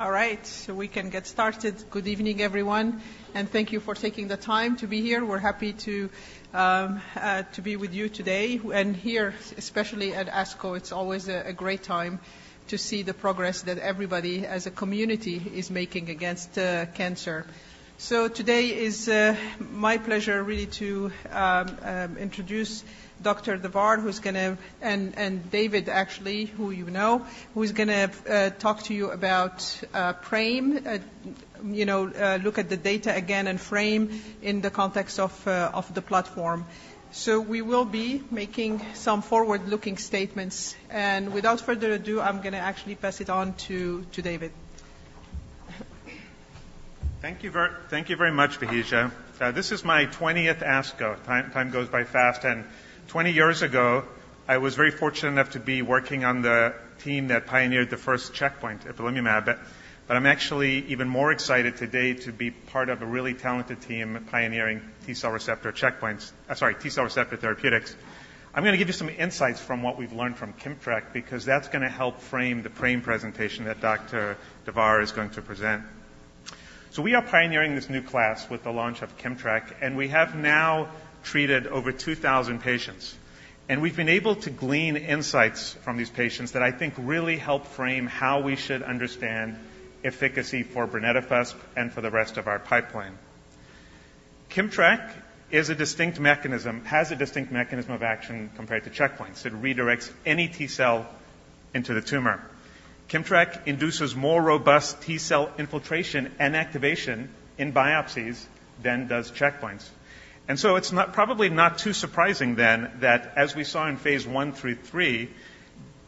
All right, so we can get started. Good evening, everyone, and thank you for taking the time to be here. We're happy to, to be with you today and here, especially at ASCO. It's always a, a great time to see the progress that everybody as a community is making against, cancer. So today is, my pleasure really to, introduce Dr. Diwakar Davar, who's gonna and, and David, actually, who you know, who is gonna, talk to you about, PRAME. You know, look at the data again and frame in the context of, of the platform. So we will be making some forward-looking statements, and without further ado, I'm gonna actually pass it on to, to David. Thank you very much, Bahija. This is my 20th ASCO. Time goes by fast, and 20 years ago, I was very fortunate enough to be working on the team that pioneered the first checkpoint, ipilimumab. But I'm actually even more excited today to be part of a really talented team pioneering T cell receptor therapeutics. I'm gonna give you some insights from what we've learned from KIMMTRAK, because that's gonna help frame the PRAME presentation that Dr. Davar is going to present. So we are pioneering this new class with the launch of KIMMTRAK, and we have now treated over 2,000 patients. And we've been able to glean insights from these patients that I think really help frame how we should understand efficacy for brenetafusp and for the rest of our pipeline. KIMMTRAK is a distinct mechanism, has a distinct mechanism of action compared to checkpoints. It redirects any T cell into the tumor. KIMMTRAK induces more robust T cell infiltration and activation in biopsies than does checkpoints. So it's not, probably not too surprising then that as we saw in phase I through III,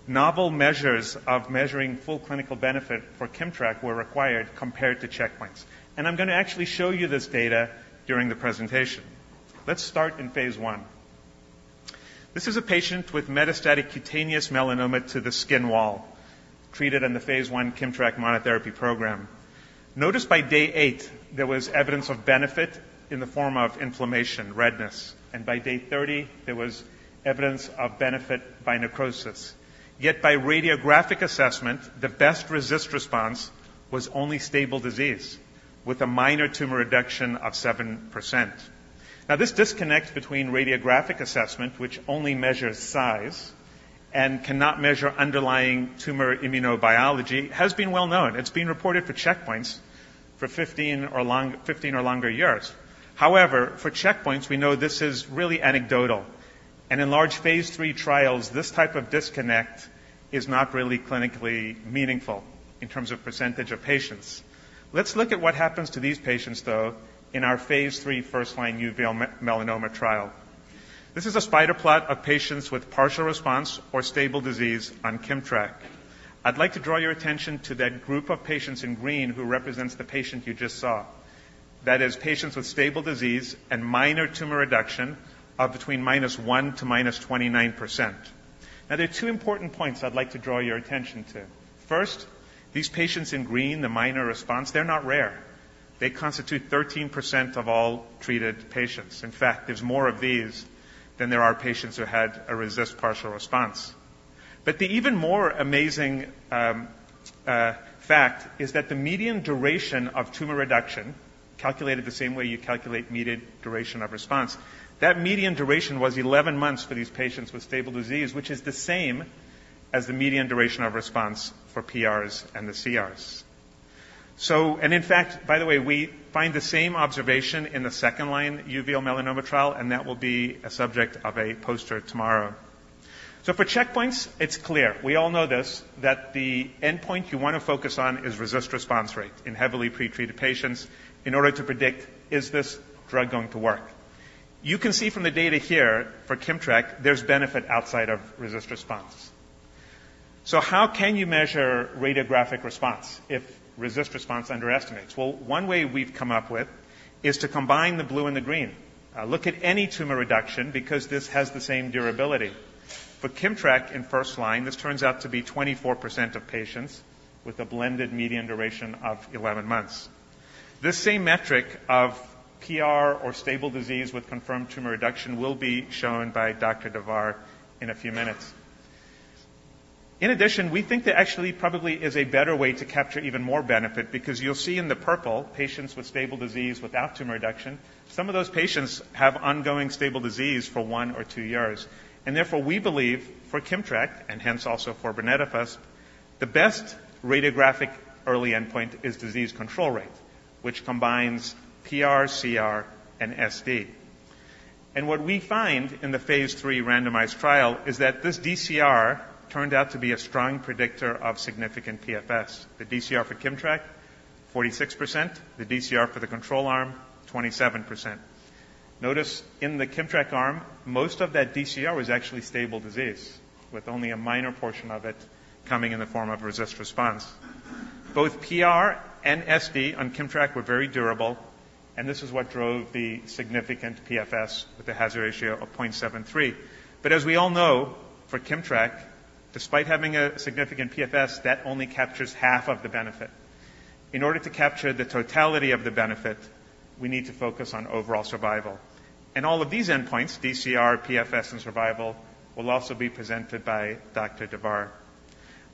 novel measures of measuring full clinical benefit for KIMMTRAK were required compared to checkpoints. And I'm gonna actually show you this data during the presentation. Let's start in phase I. This is a patient with metastatic cutaneous melanoma to the skin wall, treated in the phase I KIMMTRAK monotherapy program. Notice by day 8, there was evidence of benefit in the form of inflammation, redness, and by day 30, there was evidence of benefit by necrosis. Yet by radiographic assessment, the best RECIST response was only stable disease, with a minor tumor reduction of 7%. Now, this disconnect between radiographic assessment, which only measures size and cannot measure underlying tumor immunobiology, has been well known. It's been reported for checkpoints for fifteen or longer years. However, for checkpoints, we know this is really anecdotal, and in phase III trials, this type of disconnect is not really clinically meaningful in terms of percentage of patients. Let's look at what happens to these patients, though, in phase III first-line uveal melanoma trial. This is a spider plot of patients with partial response or stable disease on KIMMTRAK. I'd like to draw your attention to that group of patients in green, who represents the patient you just saw. That is, patients with stable disease and minor tumor reduction of between -1% to -29%. Now, there are two important points I'd like to draw your attention to. First, these patients in green, the minor response, they're not rare. They constitute 13% of all treated patients. In fact, there's more of these than there are patients who had a resistant partial response. But the even more amazing fact is that the median duration of tumor reduction, calculated the same way you calculate median duration of response, that median duration was 11 months for these patients with stable disease, which is the same as the median duration of response for PRs and the CRs. So, and in fact, by the way, we find the same observation in the second-line, uveal melanoma trial, and that will be a subject of a poster tomorrow. So for checkpoints, it's clear. We all know this, that the endpoint you want to focus on is RECIST response rate in heavily pretreated patients in order to predict, is this drug going to work? You can see from the data here, for KIMMTRAK, there's benefit outside of RECIST response. So how can you measure radiographic response if RECIST response underestimates? Well, one way we've come up with is to combine the blue and the green. Look at any tumor reduction because this has the same durability. For KIMMTRAK in first-line, this turns out to be 24% of patients with a blended median duration of 11 months. This same metric of PR or stable disease with confirmed tumor reduction will be shown by Dr. Davar in a few minutes. In addition, we think there actually probably is a better way to capture even more benefit because you'll see in the purple patients with stable disease without tumor reduction, some of those patients have ongoing stable disease for one or two years. Therefore, we believe for KIMMTRAK, and hence also for brenetafusp, the best radiographic early endpoint is disease control rate, which combines PR, CR, and SD. And what we find in phase III randomized trial is that this DCR turned out to be a strong predictor of significant PFS. The DCR for KIMMTRAK, 46%; the DCR for the control arm, 27%. Notice in the KIMMTRAK arm, most of that DCR was actually stable disease, with only a minor portion of it coming in the form of RECIST response. Both PR and SD on KIMMTRAK were very durable, and this is what drove the significant PFS with a hazard ratio of 0.73. But as we all know, for KIMMTRAK, despite having a significant PFS, that only captures half of the benefit. In order to capture the totality of the benefit, we need to focus on overall survival. And all of these endpoints, DCR, PFS, and survival, will also be presented by Dr. Davar.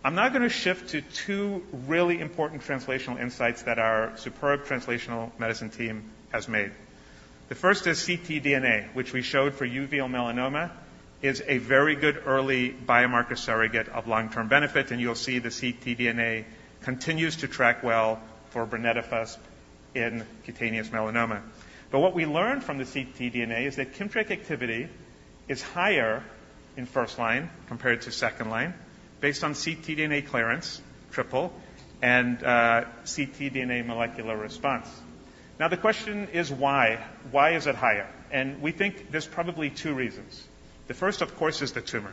I'm now going to shift to two really important translational insights that our superb translational medicine team has made. The first is ctDNA, which we showed for uveal melanoma, is a very good early biomarker surrogate of long-term benefit, and you'll see the ctDNA continues to track well for brenetafusp in cutaneous melanoma. But what we learned from the ctDNA is that KIMMTRAK activity is higher in first-line compared to second-line, based on ctDNA clearance, tumor, and ctDNA molecular response. Now, the question is why? Why is it higher? And we think there's probably two reasons. The first, of course, is the tumor.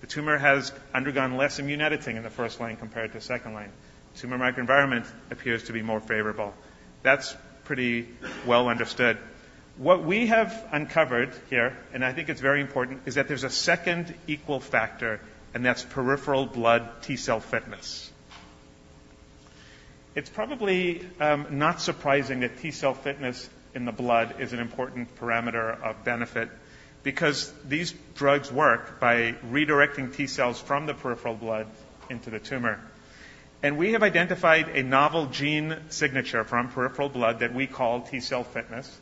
The tumor has undergone less immune editing in the first-line compared to the second-line. Tumor microenvironment appears to be more favorable. That's pretty well understood. What we have uncovered here, and I think it's very important, is that there's a second equal factor, and that's peripheral blood T cell fitness. It's probably not surprising that T cell fitness in the blood is an important parameter of benefit because these drugs work by redirecting T cells from the peripheral blood into the tumor. We have identified a novel gene signature from peripheral blood that we call T cell fitness.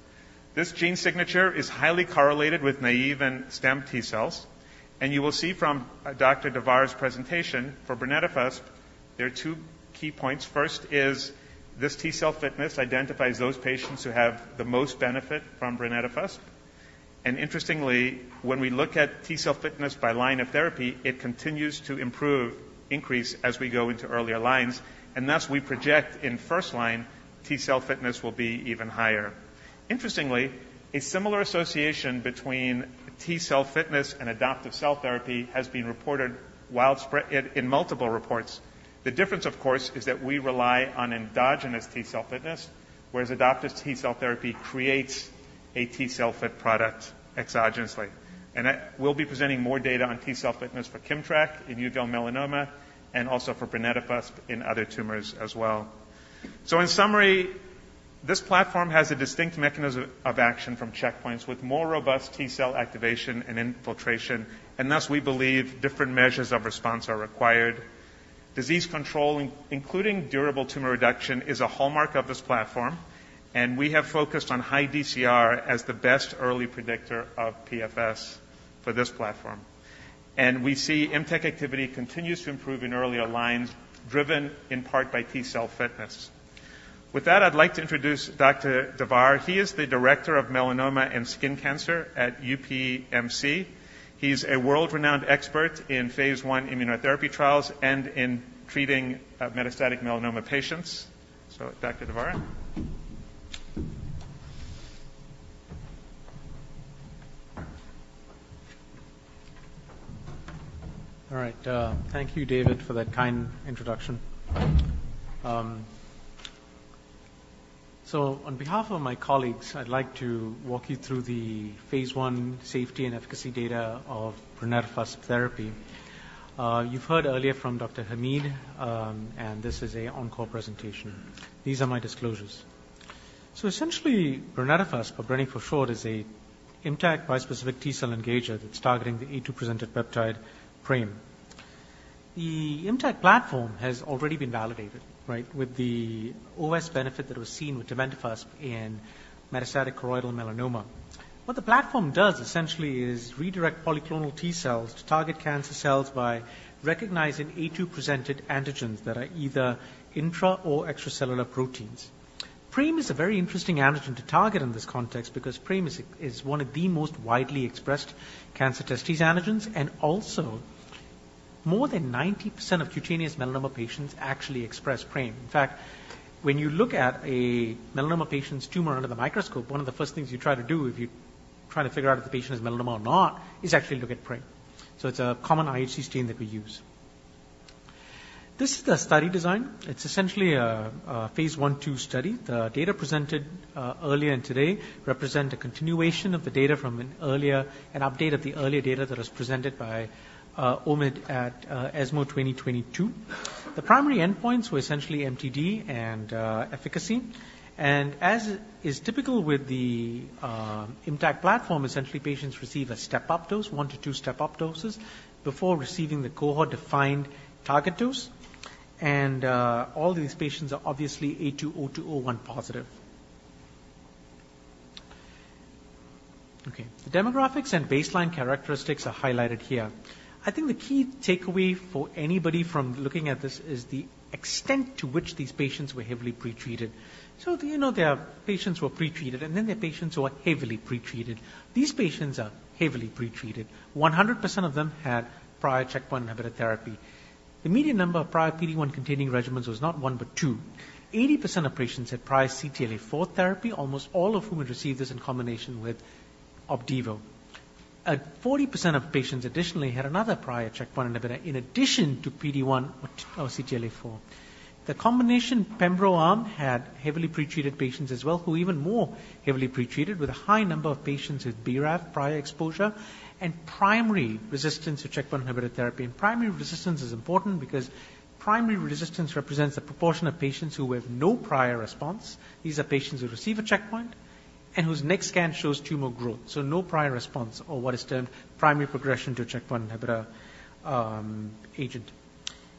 This gene signature is highly correlated with naive and stem T cells, and you will see from Dr. Davar's presentation for brenetafusp, there are two key points. First is this T cell fitness identifies those patients who have the most benefit from brenetafusp. And interestingly, when we look at T cell fitness by line of therapy, it continues to improve, increase as we go into earlier lines, and thus, we project in first-line, T cell fitness will be even higher. Interestingly, a similar association between T cell fitness and adoptive cell therapy has been reported widespread in multiple reports. The difference, of course, is that we rely on endogenous T cell fitness, whereas adoptive T cell therapy creates a T cell-fit product exogenously. And I—we'll be presenting more data on T cell fitness for KIMMTRAK in uveal melanoma, and also for brenetafusp in other tumors as well. So in summary, this platform has a distinct mechanism of action from checkpoints with more robust T cell activation and infiltration, and thus, we believe different measures of response are required. Disease control, including durable tumor reduction, is a hallmark of this platform, and we have focused on high DCR as the best early predictor of PFS for this platform. And we see ImmTAC activity continues to improve in earlier lines, driven in part by T cell fitness. With that, I'd like to introduce Dr. Davar. He is the Director of Melanoma and Skin Cancer at UPMC. He's a world-renowned expert in phase I immunotherapy trials and in treating metastatic melanoma patients. So Dr. Davar? All right. Thank you, David, for that kind introduction. So on behalf of my colleagues, I'd like to walk you through the phase I safety and efficacy data of brenetafusp therapy. You've heard earlier from Dr. Hamid, and this is an oral presentation. These are my disclosures. So essentially, brenetafusp, or Breni for short, is an ImmTAC bispecific T cell engager that's targeting the HLA-A*02-presented peptide PRAME. The ImmTAC platform has already been validated, right, with the OS benefit that was seen with tebentafusp in metastatic choroidal melanoma. What the platform does essentially is redirect polyclonal T cells to target cancer cells by recognizing HLA-A*02-presented antigens that are either intra or extracellular proteins. PRAME is a very interesting antigen to target in this context because PRAME is one of the most widely expressed cancer testis antigens, and also more than 90% of cutaneous melanoma patients actually express PRAME. In fact, when you look at a melanoma patient's tumor under the microscope, one of the first things you try to do if you're trying to figure out if the patient has melanoma or not, is actually look at PRAME. So it's a common IHC stain that we use. This is the study design. It's essentially a phase I/II study. The data presented earlier and today represent an update of the earlier data that was presented by Omid at ESMO 2022. The primary endpoints were essentially MTD and efficacy. As is typical with the ImmTAC platform, essentially, patients receive a step-up dose, one to two step-up doses, before receiving the cohort-defined target dose. All these patients are obviously HLA-A*02:01-positive. Okay, the demographics and baseline characteristics are highlighted here. I think the key takeaway for anybody from looking at this is the extent to which these patients were heavily pretreated. So you know, there are patients who are pretreated, and then there are patients who are heavily pretreated. These patients are heavily pretreated. 100% of them had prior checkpoint inhibitor therapy. The median number of prior PD-1-containing regimens was not one, but two. 80% of patients had prior CTLA-4 therapy, almost all of whom had received this in combination with Opdivo. Forty percent of patients additionally had another prior checkpoint inhibitor in addition to PD-1 or CTLA-4. The combination pembrolizumab arm had heavily pretreated patients as well, who even more heavily pretreated with a high number of patients with BRAF prior exposure and primary resistance to checkpoint inhibitor therapy. Primary resistance is important because primary resistance represents a proportion of patients who have no prior response. These are patients who receive a checkpoint and whose next scan shows tumor growth, so no prior response or what is termed primary progression to a checkpoint inhibitor agent.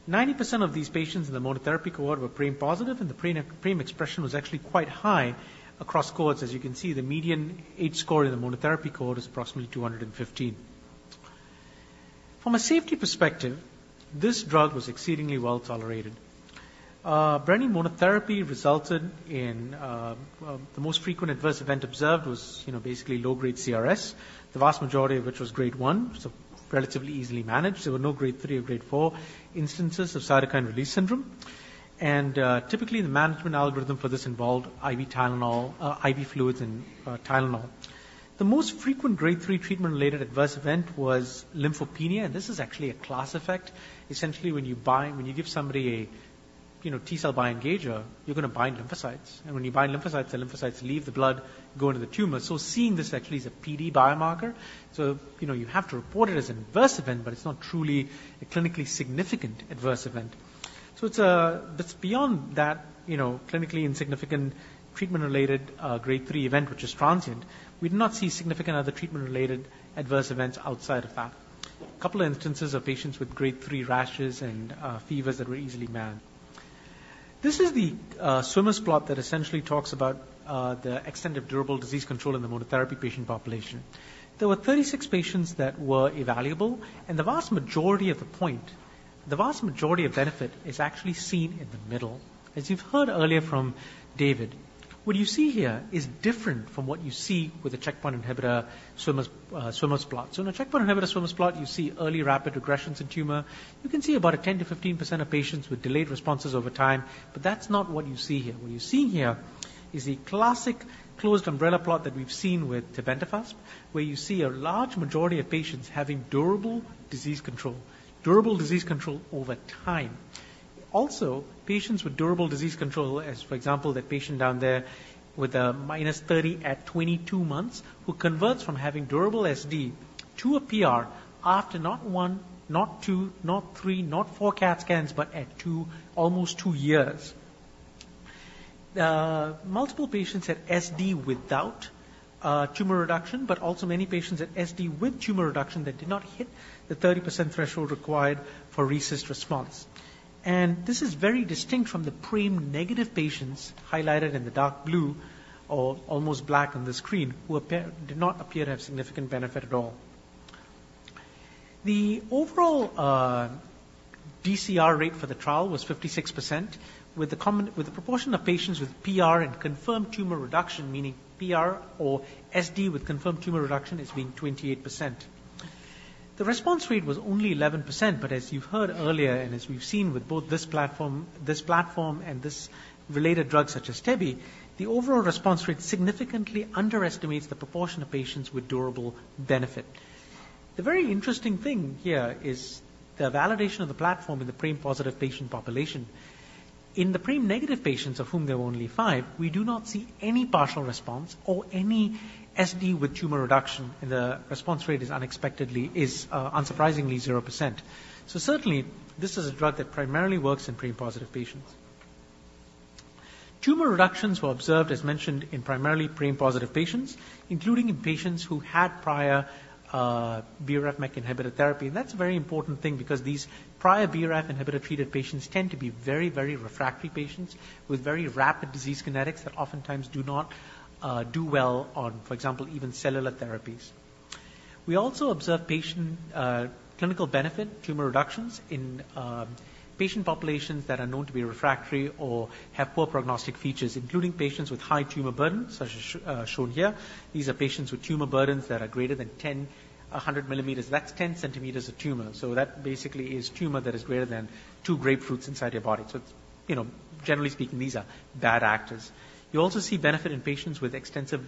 90% of these patients in the monotherapy cohort were PRAME-positive, and the PRAME, PRAME expression was actually quite high across cohorts. As you can see, the median H-score in the monotherapy cohort is approximately 215. From a safety perspective, this drug was exceedingly well-tolerated. Brenetafusp monotherapy resulted in, well, the most frequent adverse event observed was, you know, basically low-grade CRS, the vast majority of which was Grade 1, so relatively easily managed. There were no Grade 3 or Grade 4 instances of cytokine release syndrome. And typically the management algorithm for this involved IV Tylenol, IV fluids and Tylenol. The most frequent Grade 3 treatment-related adverse event was lymphopenia, and this is actually a class effect. Essentially, when you give somebody a, you know, T cell bi-engager, you're gonna bind lymphocytes. And when you bind lymphocytes, the lymphocytes leave the blood, go into the tumor. So seeing this actually is a PD biomarker, so, you know, you have to report it as an adverse event, but it's not truly a clinically significant adverse event. So it's a— But beyond that, you know, clinically insignificant treatment-related, Grade 3 event, which is transient, we did not see significant other treatment-related adverse events outside of that. A couple of instances of patients with grade three rashes and fevers that were easily managed. This is the swimmer's plot that essentially talks about the extent of durable disease control in the monotherapy patient population. There were 36 patients that were evaluable, and the vast majority of the point, the vast majority of benefit is actually seen in the middle. As you've heard earlier from David, what you see here is different from what you see with a checkpoint inhibitor swimmer's plot. So in a checkpoint inhibitor swimmer's plot, you see early rapid regressions in tumor. You can see about 10%-15% of patients with delayed responses over time, but that's not what you see here. What you see here is a classic closed umbrella plot that we've seen with tebentafusp, where you see a large majority of patients having durable disease control, durable disease control over time. Also, patients with durable disease control as, for example, that patient down there with a -30 at 22 months, who converts from having durable SD to a PR after not one, not two, not three, not four CAT scans, but at two, almost two years. Multiple patients had SD without tumor reduction, but also many patients had SD with tumor reduction that did not hit the 30% threshold required for RECIST response. This is very distinct from the PRAME-negative patients highlighted in the dark blue or almost black on the screen, who did not appear to have significant benefit at all. The overall DCR rate for the trial was 56%, with the proportion of patients with PR and confirmed tumor reduction, meaning PR or SD with confirmed tumor reduction, being 28%. The response rate was only 11%, but as you've heard earlier, and as we've seen with both this platform and this related drugs such as tebentafusp, the overall response rate significantly underestimates the proportion of patients with durable benefit. The very interesting thing here is the validation of the platform in the PRAME-positive patient population. In the PRAME-negative patients, of whom there were only five, we do not see any partial response or any SD with tumor reduction, and the response rate is unexpectedly, is, unsurprisingly 0%. So certainly, this is a drug that primarily works PRAME-positive patients. Tumor reductions were observed, as mentioned, in PRAME-positive patients, including in patients who had prior BRAF/MEK inhibitor therapy. And that's a very important thing because these prior BRAF inhibitor-treated patients tend to be very, very refractory patients with very rapid disease kinetics that oftentimes do not do well on, for example, even cellular therapies. We also observed patient clinical benefit tumor reductions in patient populations that are known to be refractory or have poor prognostic features, including patients with high tumor burdens, such as shown here. These are patients with tumor burdens that are greater than 10, 100 mm. That's 10 cm of tumor, so that basically is tumor that is greater than 2 grapefruits inside your body. So, you know, generally speaking, these are bad actors. You also see benefit in patients with extensive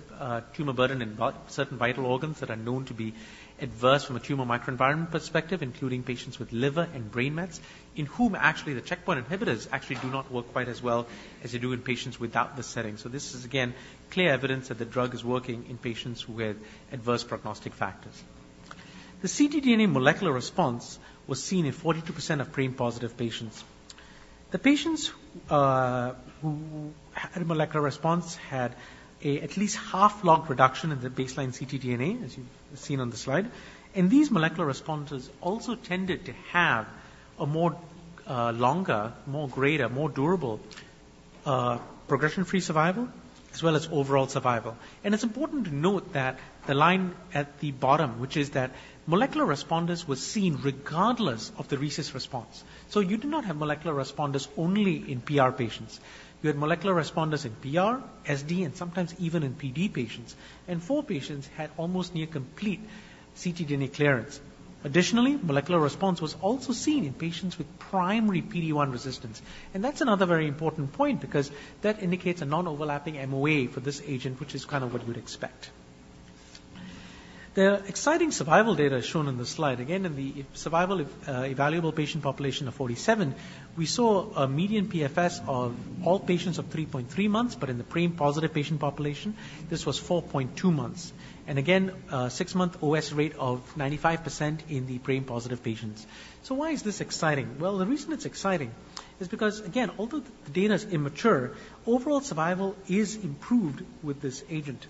tumor burden in certain vital organs that are known to be adverse from a tumor microenvironment perspective, including patients with liver and brain mets, in whom actually the checkpoint inhibitors actually do not work quite as well as they do in patients without this setting. So this is again, clear evidence that the drug is working in patients with adverse prognostic factors. The ctDNA molecular response was seen in 42% of PRAME-positive patients. The patients who had a molecular response had at least a half-log reduction in their baseline ctDNA, as you've seen on the slide. These molecular responders also tended to have a more longer, more greater, more durable progression-free survival, as well as overall survival. It's important to note that the line at the bottom, which is that molecular responders were seen regardless of the RECIST response. So you do not have molecular responders only in PR patients. You had molecular responders in PR, SD, and sometimes even in PD patients, and four patients had almost near complete ctDNA clearance. Additionally, molecular response was also seen in patients with primary PD-1 resistance. That's another very important point because that indicates a non-overlapping MOA for this agent, which is kind of what we'd expect. The exciting survival data is shown on the slide. Again, in the evaluable patient population of 47, we saw a median PFS of all patients of 3.3 months, but in PRAME-positive patient population, this was 4.2 months. And again, a 6-month OS rate of 95% in PRAME-positive patients. So why is this exciting? Well, the reason it's exciting is because, again, although the data is immature, overall survival is improved with this agent.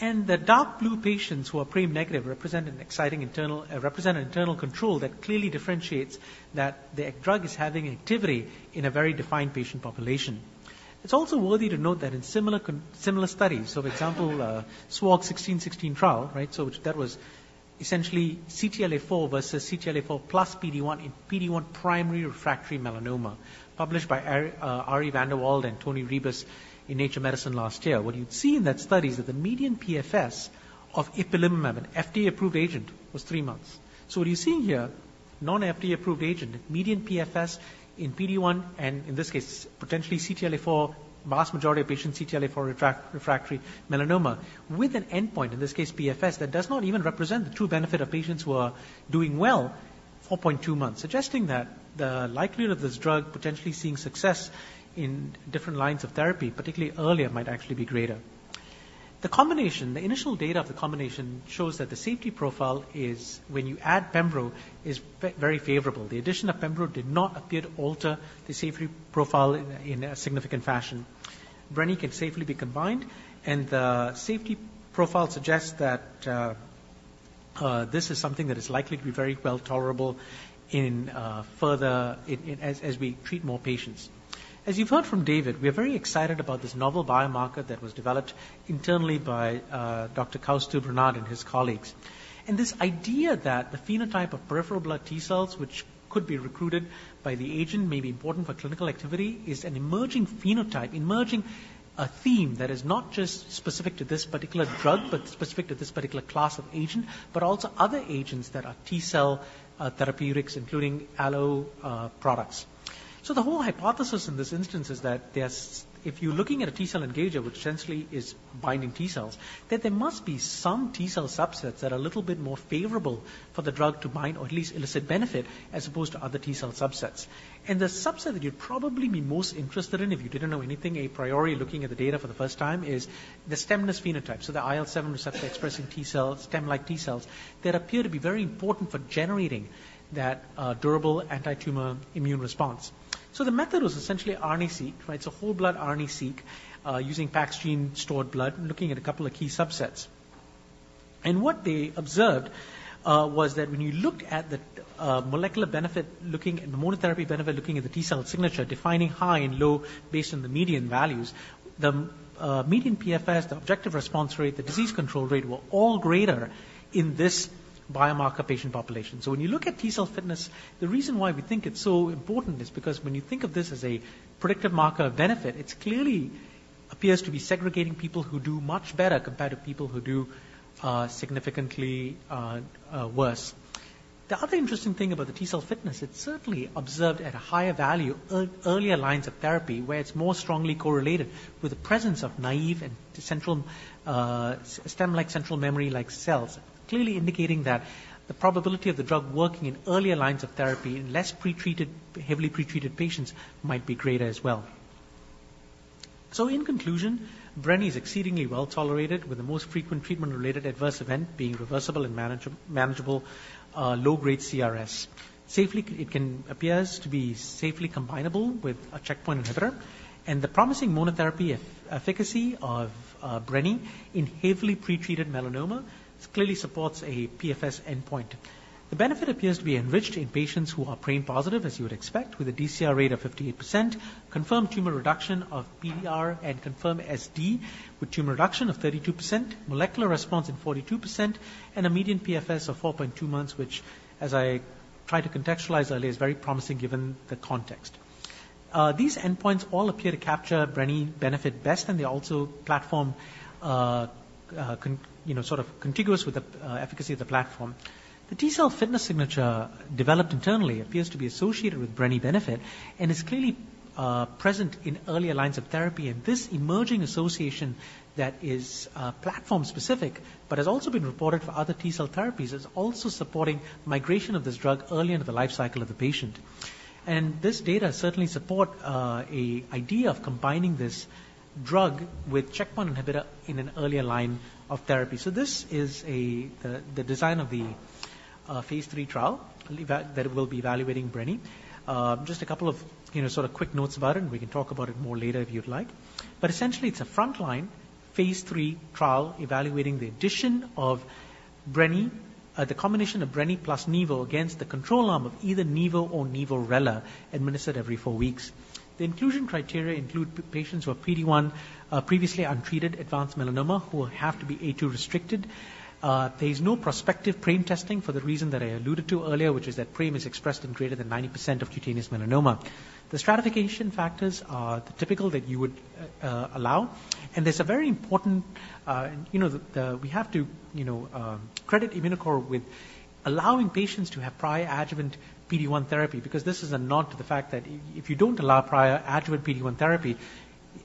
And the dark blue patients who are PRAME-negative represent an internal control that clearly differentiates that the drug is having activity in a very defined patient population. It's also worthy to note that in similar studies, so for example, SWOG S1616 trial, right? So that was essentially CTLA-4 versus CTLA-4 plus PD-1 in PD-1 primary refractory melanoma, published by Ari VanderWalde and Antoni Ribas in Nature Medicine last year. What you'd see in that study is that the median PFS of Ipilimumab, an FDA-approved agent, was three months. So what you're seeing here, non-FDA-approved agent, median PFS in PD-1, and in this case, potentially CTLA-4, vast majority of patients, CTLA-4 refractory melanoma, with an endpoint, in this case, PFS, that does not even represent the true benefit of patients who are doing well, 4.2 months. Suggesting that the likelihood of this drug potentially seeing success in different lines of therapy, particularly earlier, might actually be greater. The combination, the initial data of the combination shows that the safety profile is when you add pembrolizumab, is very favorable. The addition of pembrolizumab did not appear to alter the safety profile in a significant fashion. Brenetafusp can safely be combined, and the safety profile suggests that this is something that is likely to be very well tolerable further as we treat more patients. As you've heard from David, we are very excited about this novel biomarker that was developed internally by Dr. Koustubh Ranade and his colleagues. And this idea that the phenotype of peripheral blood T cells, which could be recruited by the agent, may be important for clinical activity, is an emerging theme that is not just specific to this particular drug, but specific to this particular class of agent, but also other agents that are T cell therapeutics, including allo products. So the whole hypothesis in this instance is that there's— If you're looking at a T cell engager, which essentially is binding T cells, that there must be some T cell subsets that are a little bit more favorable for the drug to bind or at least elicit benefit as opposed to other T cell subsets. And the subset that you'd probably be most interested in if you didn't know anything, a priority looking at the data for the first time, is the stemness phenotype, so the IL-7 receptor expressing T cells, stem-like T cells, that appear to be very important for generating that, durable antitumor immune response. So the method was essentially RNA-Seq, right? It's a whole blood RNA-Seq, using PAXgene stored blood, looking at a couple of key subsets. What they observed was that when you looked at the molecular benefit, looking at the monotherapy benefit, looking at the T cell signature, defining high and low based on the median values, the median PFS, the objective response rate, the disease control rate, were all greater in this biomarker patient population. When you look at T cell fitness, the reason why we think it's so important is because when you think of this as a predictive marker of benefit, it clearly appears to be segregating people who do much better compared to people who do significantly worse. The other interesting thing about the T cell fitness, it's certainly observed at a higher value, earlier lines of therapy, where it's more strongly correlated with the presence of naive and central, stem-like, central memory-like cells, clearly indicating that the probability of the drug working in earlier lines of therapy in less pretreated, heavily pretreated patients might be greater as well. So in conclusion, brenetafusp is exceedingly well-tolerated, with the most frequent treatment-related adverse event being reversible and manageable, low-grade CRS. Safely, it can appears to be safely combinable with a checkpoint inhibitor, and the promising monotherapy efficacy of, brenetafusp in heavily pretreated melanoma clearly supports a PFS endpoint. The benefit appears to be enriched in patients who are PRAME-positive, as you would expect, with a DCR rate of 58%, confirmed tumor reduction of PR and confirmed SD, with tumor reduction of 32%, molecular response in 42%, and a median PFS of 4.2 months, which as I tried to contextualize earlier, is very promising given the context. These endpoints all appear to capture brenetafusp benefit best, and they also platform, you know sort of contiguous with the, efficacy of the platform. The T cell fitness signature, developed internally, appears to be associated with brenetafusp benefit and is clearly, present in earlier lines of therapy. This emerging association that is, platform-specific but has also been reported for other T cell therapies, is also supporting migration of this drug early into the life cycle of the patient. And this data certainly support a idea of combining this drug with checkpoint inhibitor in an earlier line of therapy. So this is the design of the phase III trial evaluating brenetafusp that we'll be evaluating brenetafusp. Just a couple of, you know, sort of quick notes about it, and we can talk about it more later if you'd like. But essentially, it's a frontline phase III trial evaluating the addition of brenetafusp, the combination of brenetafusp plus nivolumab against the control arm of either nivolumab or nivolumab-relatlimab, administered every four weeks. The inclusion criteria include patients who have PD-1, previously untreated advanced melanoma, who will have to be A*02 restricted. There's no prospective PRAME testing for the reason that I alluded to earlier, which is that PRAME is expressed in greater than 90% of cutaneous melanoma. The stratification factors are the typical that you would, allow, and there's a very important, you know, We have to, you know, credit Immunocore with allowing patients to have prior adjuvant PD-1 therapy because this is a nod to the fact that if you don't allow prior adjuvant PD-1 therapy,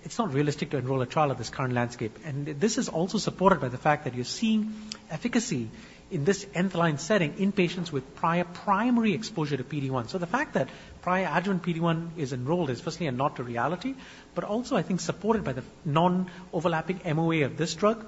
it's not realistic to enroll a trial of this current landscape. And this is also supported by the fact that you're seeing efficacy in this nth-line setting in patients with prior primary exposure to PD-1. So the fact that prior adjuvant PD-1 is enrolled is firstly a nod to reality, but also I think, supported by the non-overlapping MOA of this drug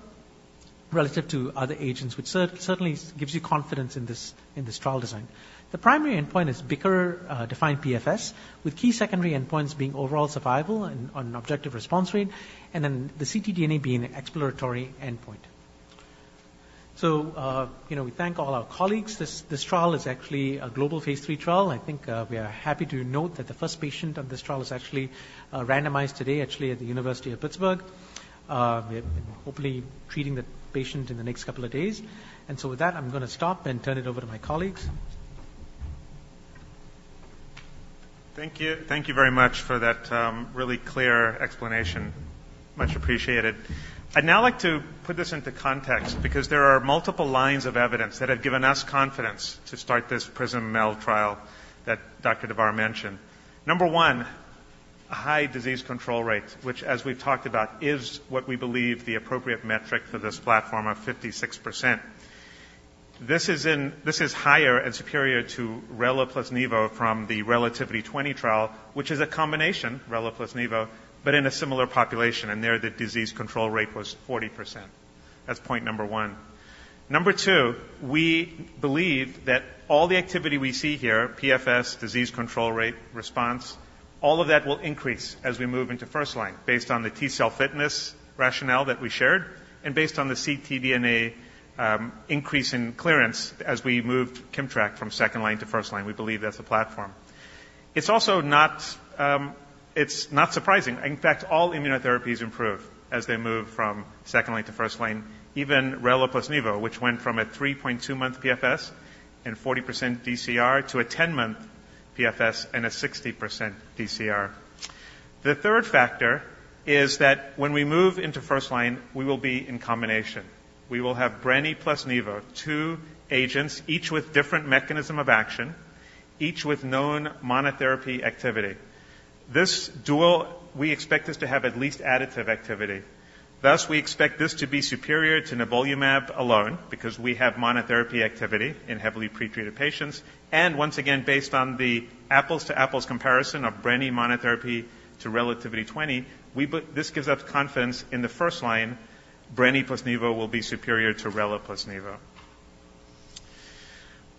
relative to other agents, which certainly gives you confidence in this, in this trial design. The primary endpoint is BICR-defined PFS, with key secondary endpoints being overall survival and ORR, objective response rate, and then the ctDNA being an exploratory endpoint. So, you know, we thank all our colleagues. This trial is actually a phase III trial. I think, we are happy to note that the first patient of this trial is actually randomized today, actually, at the University of Pittsburgh. We're hopefully treating the patient in the next couple of days. And so with that, I'm going to stop and turn it over to my colleagues. Thank you. Thank you very much for that, really clear explanation. Much appreciated. I'd now like to put this into context because there are multiple lines of evidence that have given us confidence to start this PRISM-MEL trial that Dr. Davar mentioned. Number one, a high disease control rate, which, as we've talked about, is what we believe the appropriate metric for this platform of 56%. This is higher and relatlimab plus nivolumab from the RELATIVITY-020 trial, which is relatlimab plus nivolumab, but in a similar population, and there the disease control rate was 40%. That's point number one. Number two, we believe that all the activity we see here, PFS, disease control rate, response, all of that will increase as we move into first-line, based on the T cell fitness rationale that we shared and based on the ctDNA, increase in clearance as we moved KIMMTRAK from second-line to first-line. We believe that's a platform. It's also not, it's not surprising. In fact, all immunotherapies improve as they move from second-line to first-line, even relatlimab plus nivolumab, which went from a 3.2-month PFS and 40% DCR to a 10-month PFS and a 60% DCR. The third factor is that when we move into first-line, we will be in combination. We will have brenetafusp plus nivolumab, two agents, each with different mechanism of action, each with known monotherapy activity. This dual, we expect this to have at least additive activity. Thus, we expect this to be superior to nivolumab alone because we have monotherapy activity in heavily pretreated patients. And once again, based on the apples-to-apples comparison of brenetafusp monotherapy to relatlimab, this gives us confidence in the first-line, brenetafusp plus nivolumab will be superior to relatlimab plus nivolumab.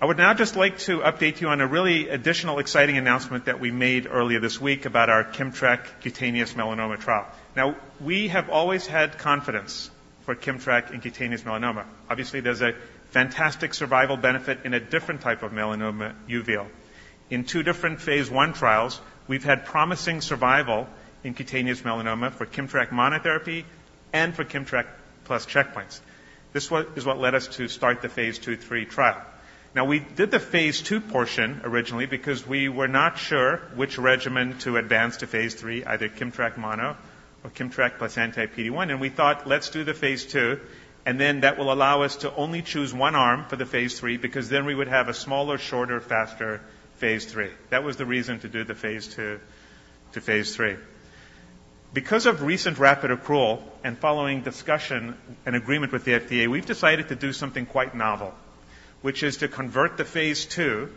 i would now just like to update you on a really additional exciting announcement that we made earlier this week about our KIMMTRAK cutaneous melanoma trial. Now, we have always had confidence for KIMMTRAK in cutaneous melanoma. Obviously, there's a fantastic survival benefit in a different type of melanoma, uveal. In two different phase I trials, we've had promising survival in cutaneous melanoma for KIMMTRAK monotherapy and for KIMMTRAK plus checkpoints. This is what led us to start the phase II/III trial. Now, we did the phase II portion originally because we were not sure which regimen to advance to phase III, either KIMMTRAK mono or KIMMTRAK plus anti-PD-1, and we thought, let's do the phase II, and then that will allow us to only choose one arm for the phase III, because then we would have a smaller, shorter, faster phase III. That was the reason to do the phase II to phase III. Because of recent rapid accrual and following discussion and agreement with the FDA, we've decided to do something quite novel, which is to convert the phase II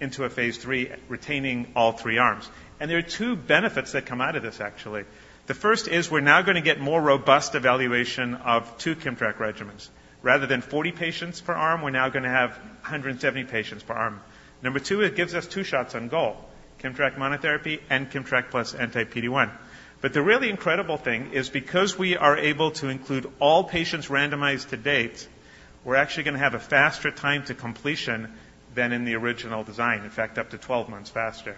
into a phase III, retaining all three arms. There are two benefits that come out of this, actually. The first is we're now going to get more robust evaluation of two KIMMTRAK regimens. Rather than 40 patients per arm, we're now going to have 170 patients per arm. Number two, it gives us two shots on goal: KIMMTRAK monotherapy and KIMMTRAK plus anti-PD-1. But the really incredible thing is because we are able to include all patients randomized to date, we're actually going to have a faster time to completion than in the original design, in fact, up to 12 months faster.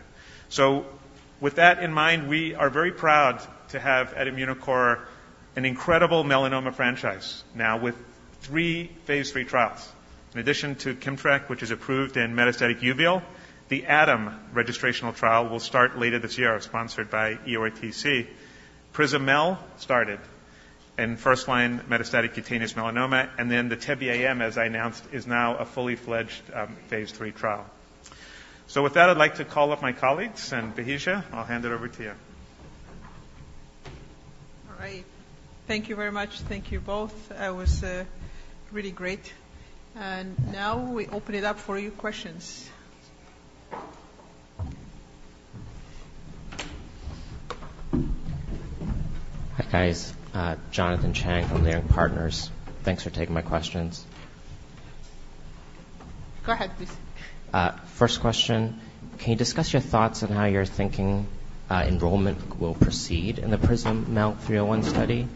So with that in mind, we are very proud to have at Immunocore an incredible melanoma franchise, now with three phase III trials. In addition to KIMMTRAK, which is approved in metastatic uveal, the ATOM registrational trial will start later this year, sponsored by EORTC. PRISM-MEL started in first-line metastatic cutaneous melanoma, and then the TEBE-AM, as I announced, is now a fully fledged phase III trial. With that, I'd like to call up my colleagues, and Bahija, I'll hand it over to you. All right. Thank you very much. Thank you both. That was really great. Now we open it up for your questions. Hi, guys. Jonathan Chang from Leerink Partners. Thanks for taking my questions. Go ahead, please. First question: Can you discuss your thoughts on how you're thinking, enrollment will proceed in the PRISM-MEL-301 study?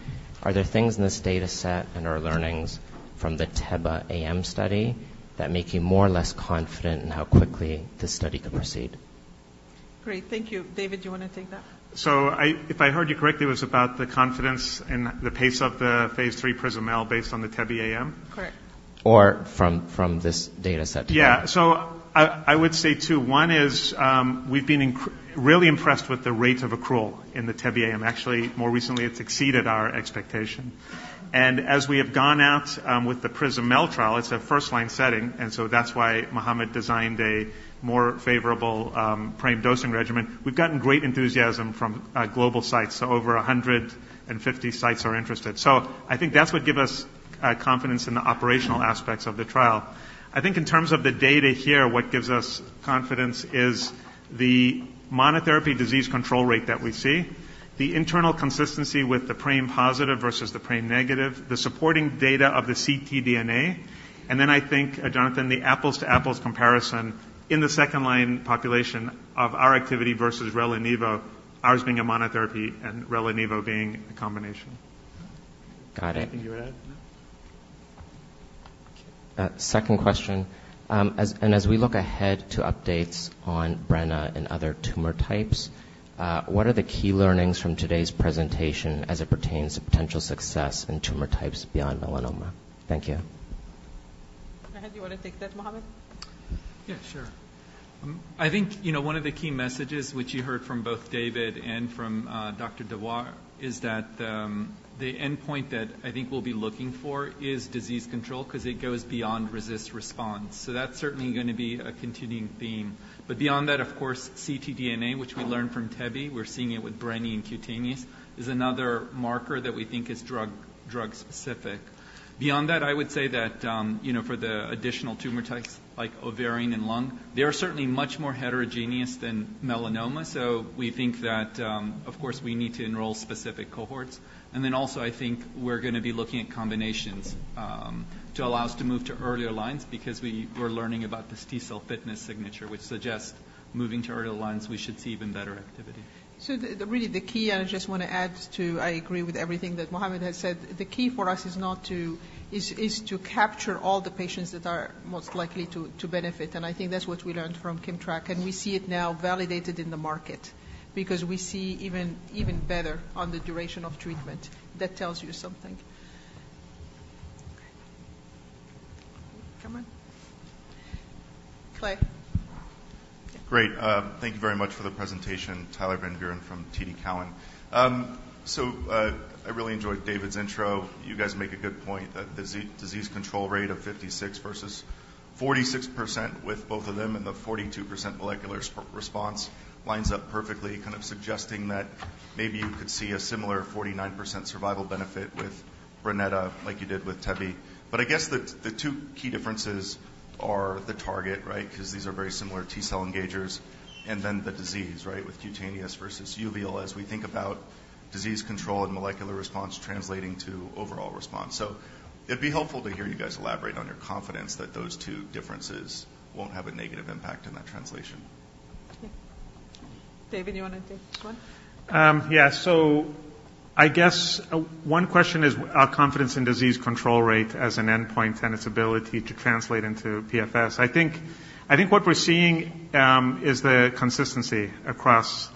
Are there things in this data set and are learnings from the TEBE-AM study that make you more or less confident in how quickly this study could proceed? Great. Thank you. David, do you want to take that? If I heard you correctly, it was about the confidence and the pace of the phase III PRISM-MEL based on the TEBE-AM? Correct. Or from this data set. Yeah. So I, I would say two. One is, we've been really impressed with the rate of accrual in the TEBE-AM. Actually, more recently, it's exceeded our expectation. And as we have gone out, with the PRISM-MEL trial, it's a first-line setting, and so that's why Mohammed designed a more favorable, prime dosing regimen. We've gotten great enthusiasm from, global sites. So over 150 sites are interested. So I think that's what give us, confidence in the operational aspects of the trial. I think in terms of the data here, what gives us confidence is the monotherapy disease control rate that we see, the internal consistency with the PRAME-positive versus the PRAME-negative, the supporting data of the ctDNA, and then I think, Jonathan, the apples-to-apples comparison in the second-line population of our activity versus relatlimab-nivolumab, ours being a monotherapy and relatlimab-nivolumab being a combination. Got it. Anything you want to add? Second question. As we look ahead to updates on brenetafusp and other tumor types, what are the key learnings from today's presentation as it pertains to potential success in tumor types beyond melanoma? Thank you. Do you want to take that, Mohammed? Yeah, sure. I think, you know, one of the key messages which you heard from both David and from Dr. Davar, is that the endpoint that I think we'll be looking for is disease control, 'cause it goes beyond RECIST response. So that's certainly going to be a continuing theme. But beyond that, of course, ctDNA, which we learned from tebentafusp, we're seeing it with brenetafusp and cutaneous, is another marker that we think is drug specific. Beyond that, I would say that, you know, for the additional tumor types, like ovarian and lung, they are certainly much more heterogeneous than melanoma. So we think that, of course, we need to enroll specific cohorts. Then also, I think we're going to be looking at combinations to allow us to move to earlier lines because we're learning about this T cell fitness signature, which suggests moving to earlier lines, we should see even better activity. So, the really key, I just want to add to—I agree with everything that Mohammed has said. The key for us is not to—is to capture all the patients that are most likely to benefit, and I think that's what we learned from KIMMTRAK, and we see it now validated in the market because we see even better on the duration of treatment. That tells you something. Okay. Come on. Clay? Great. Thank you very much for the presentation, Tyler Van Buren from TD Cowen. So, I really enjoyed David's intro. You guys make a good point that the disease control rate of 56% versus 46% with both of them and the 42% molecular response lines up perfectly, kind of suggesting that maybe you could see a similar 49% survival benefit with brenetafusp like you did with tebentafusp. But I guess the two key differences are the target, right? 'Cause these are very similar T cell engagers, and then the disease, right, with cutaneous versus uveal, as we think about disease control and molecular response translating to overall response. So it'd be helpful to hear you guys elaborate on your confidence that those two differences won't have a negative impact in that translation. Okay. David, you want to take one? Yeah. So I guess one question is our confidence in disease control rate as an endpoint and its ability to translate into PFS. I think, I think what we're seeing is the consistency across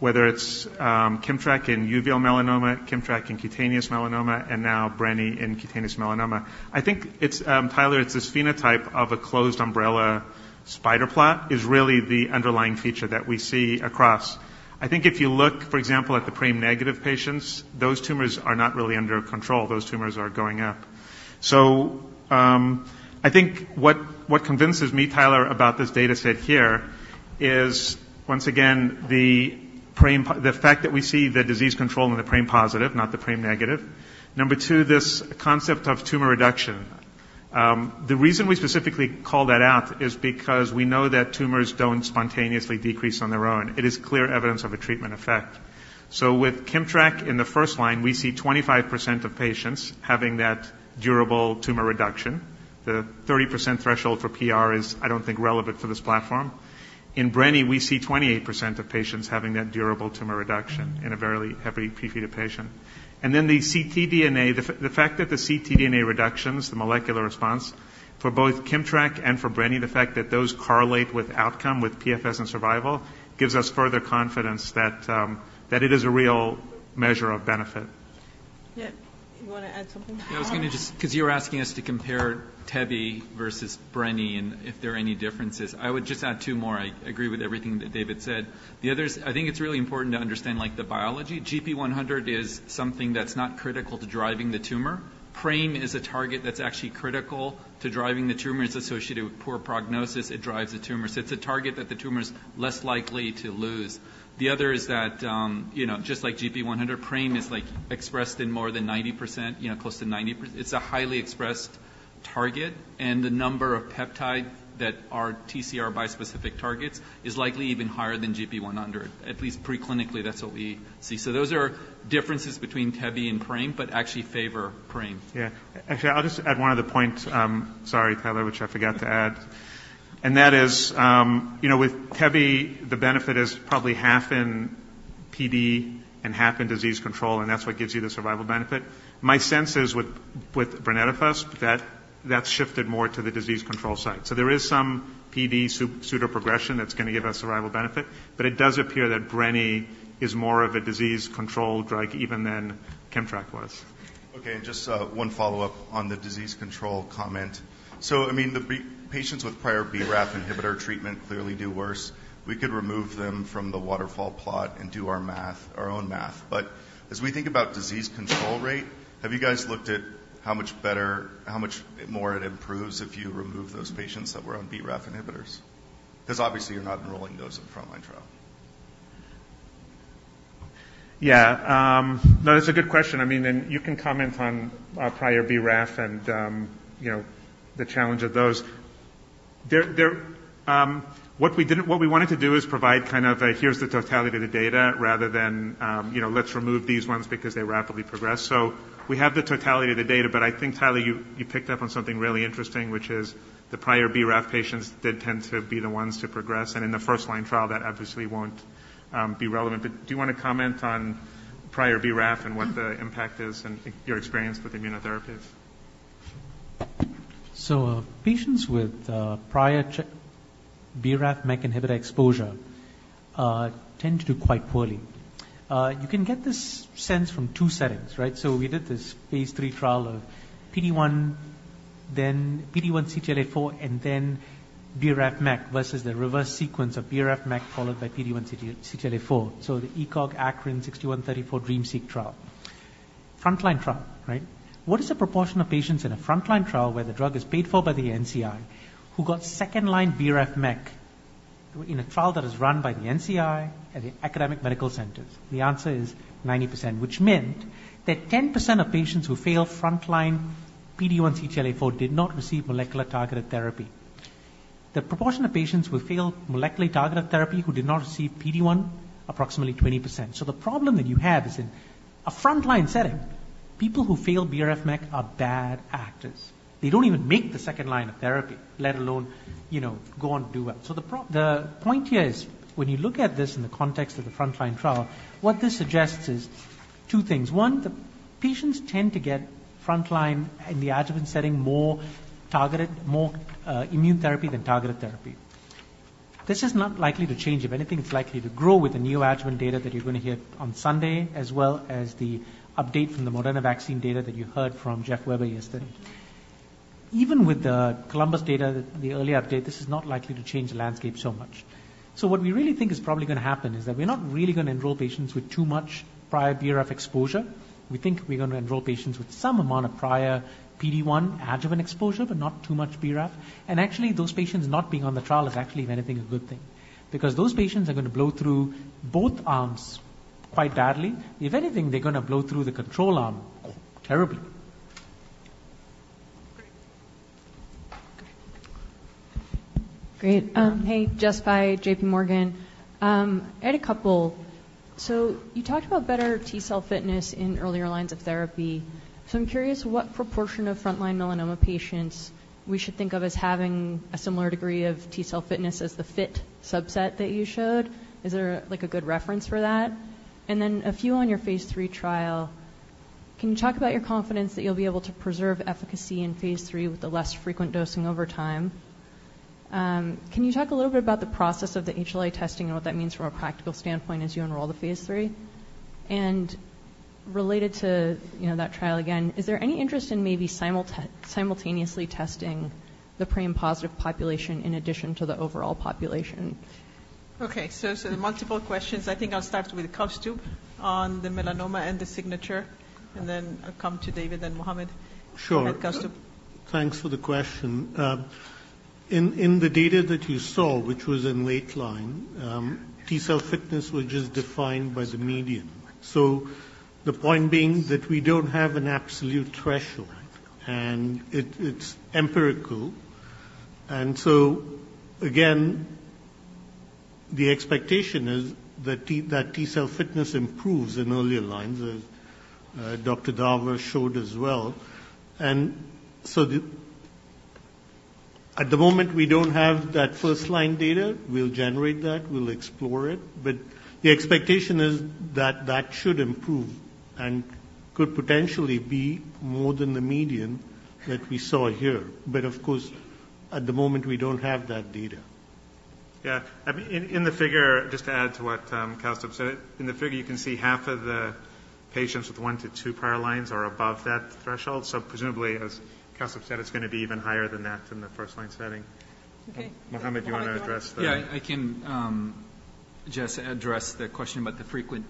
whether it's KIMMTRAK in uveal melanoma, KIMMTRAK in cutaneous melanoma, and now brenetafusp in cutaneous melanoma. I think it's Tyler, it's this phenotype of a closed umbrella spider plot, is really the underlying feature that we see across. I think if you look, for example, at the PRAME-negative patients, those tumors are not really under control. Those tumors are going up. So I think what convinces me, Tyler, about this data set here is, once again, the PRAME, the fact that we see the disease control in the PRAME-positive, not the PRAME-negative. Number two, this concept of tumor reduction. The reason we specifically call that out is because we know that tumors don't spontaneously decrease on their own. It is clear evidence of a treatment effect. So with KIMMTRAK in the first-line, we see 25% of patients having that durable tumor reduction. The 30% threshold for PR is, I don't think, relevant for this platform. In brenetafusp, we see 28% of patients having that durable tumor reduction in a very heavily pretreated patient. And then the ctDNA, the fact that the ctDNA reductions, the molecular response for both KIMMTRAK and for brenetafusp, the fact that those correlate with outcome, with PFS and survival, gives us further confidence that it is a real measure of benefit. Yeah. You want to add something? Yeah, I was going to just—because you were asking us to compare tebentafusp versus brenetafusp and if there are any differences. I would just add two more. I agree with everything that David said. The other is, I think it's really important to understand, like, the biology. GP-100 is something that's not critical to driving the tumor. PRAME is a target that's actually critical to driving the tumor. It's associated with poor prognosis. It drives the tumor. So it's a target that the tumor is less likely to lose. The other is that, you know, just like GP-100, PRAME is, like, expressed in more than 90%, you know, close to 90%. It's a highly expressed target, and the number of peptides that are TCR bispecific targets is likely even higher than GP-100. At least preclinically, that's what we see. Those are differences between tebentafusp and PRAME, but actually favor PRAME. Yeah. Actually, I'll just add one other point, sorry, Tyler, which I forgot to add. And that is, you know, with tebentafusp, the benefit is probably half in PD and half in disease control, and that's what gives you the survival benefit. My sense is with brenetafusp, that's shifted more to the disease control side. So there is some PD pseudo-progression that's going to give us survival benefit, but it does appear that brenetafusp is more of a disease control drug even than KIMMTRAK was. Okay, and just, one follow-up on the disease control comment. So I mean, the patients with prior BRAF inhibitor treatment clearly do worse. We could remove them from the waterfall plot and do our math, our own math. But as we think about disease control rate, have you guys looked at how much better, how much more it improves if you remove those patients that were on BRAF inhibitors? Because obviously you're not enrolling those in the frontline trial. Yeah, no, that's a good question. I mean, and you can comment on, prior BRAF and, you know, the challenge of those. What we wanted to do is provide kind of a, "Here's the totality of the data," rather than, you know, "Let's remove these ones because they rapidly progress." So we have the totality of the data, but I think, Tyler, you picked up on something really interesting, which is the prior BRAF patients did tend to be the ones to progress, and in the first-line trial, that obviously won't be relevant. But do you want to comment on prior BRAF and what the impact is and your experience with immunotherapy? So, patients with prior BRAF/MEK inhibitor exposure tend to do quite poorly. You can get this sense from two settings, right? So we did phase III trial of PD-1, then PD-1 CTLA-4, and then BRAF/MEK versus the reverse sequence of BRAF/MEK followed by PD-1 CTLA-4. So the ECOG-ACRIN EA6134 DREAMseq trial. Frontline trial, right? What is the proportion of patients in a frontline trial where the drug is paid for by the NCI, who got second-line BRAF/MEK in a trial that is run by the NCI at the academic medical centers? The answer is 90%, which meant that 10% of patients who failed frontline PD-1 CTLA-4 did not receive molecular-targeted therapy. The proportion of patients who failed molecularly targeted therapy, who did not receive PD-1, approximately 20%. So the problem that you have is in a frontline setting, people who fail BRAF/MEK are bad actors. They don't even make the second-line of therapy, let alone, you know, go on to do well. So the point here is when you look at this in the context of the frontline trial, what this suggests is two things: One, the patients tend to get frontline in the adjuvant setting, more targeted, more immune therapy than targeted therapy. This is not likely to change. If anything, it's likely to grow with the neoadjuvant data that you're going to hear on Sunday, as well as the update from the Moderna vaccine data that you heard from Jeffrey Weber yesterday. Even with the COLUMBUS data, the early update, this is not likely to change the landscape so much. So what we really think is probably going to happen is that we're not really going to enroll patients with too much prior BRAF exposure. We think we're going to enroll patients with some amount of prior PD-1 adjuvant exposure, but not too much BRAF. And actually, those patients not being on the trial is actually, if anything, a good thing. Because those patients are going to blow through both arms quite badly. If anything, they're going to blow through the control arm terribly. Great. Hey, Jessica Fye, JPMorgan. I had a couple. So you talked about better T cell fitness in earlier lines of therapy. So I'm curious what proportion of frontline melanoma patients we should think of as having a similar degree of T cell fitness as the fit subset that you showed? Is there, like, a good reference for that? And then a few on your phase III trial. Can you talk about your confidence that you'll be able to preserve efficacy in phase III with the less frequent dosing over time? Can you talk a little bit about the process of the HLA testing and what that means from a practical standpoint as you enroll the phase III? And related to, you know, that trial again, is there any interest in maybe simultaneously testing PRAME-positive population in addition to the overall population? Okay. So, there are multiple questions. I think I'll start with Koustubh on the melanoma and the signature, and then I'll come to David, then Mohammed. Sure. Thanks, Koustubh. Thanks for the question. In the data that you saw, which was in late line, T cell fitness, which is defined by the median. So the point being that we don't have an absolute threshold, and it's empirical. And so again, the expectation is that T cell fitness improves in earlier lines, as Dr. Davar showed as well. And so, at the moment, we don't have that first-line data. We'll generate that, we'll explore it, but the expectation is that should improve and could potentially be more than the median that we saw here. But of course, at the moment, we don't have that data. Yeah. I mean, in the figure, just to add to what Koustubh said, in the figure, you can see half of the patients with 1-2 prior lines are above that threshold. So presumably, as Koustubh said, it's going to be even higher than that in the first-line setting. Okay. Mohammed, do you want to address the- Yeah, I can just address the question about the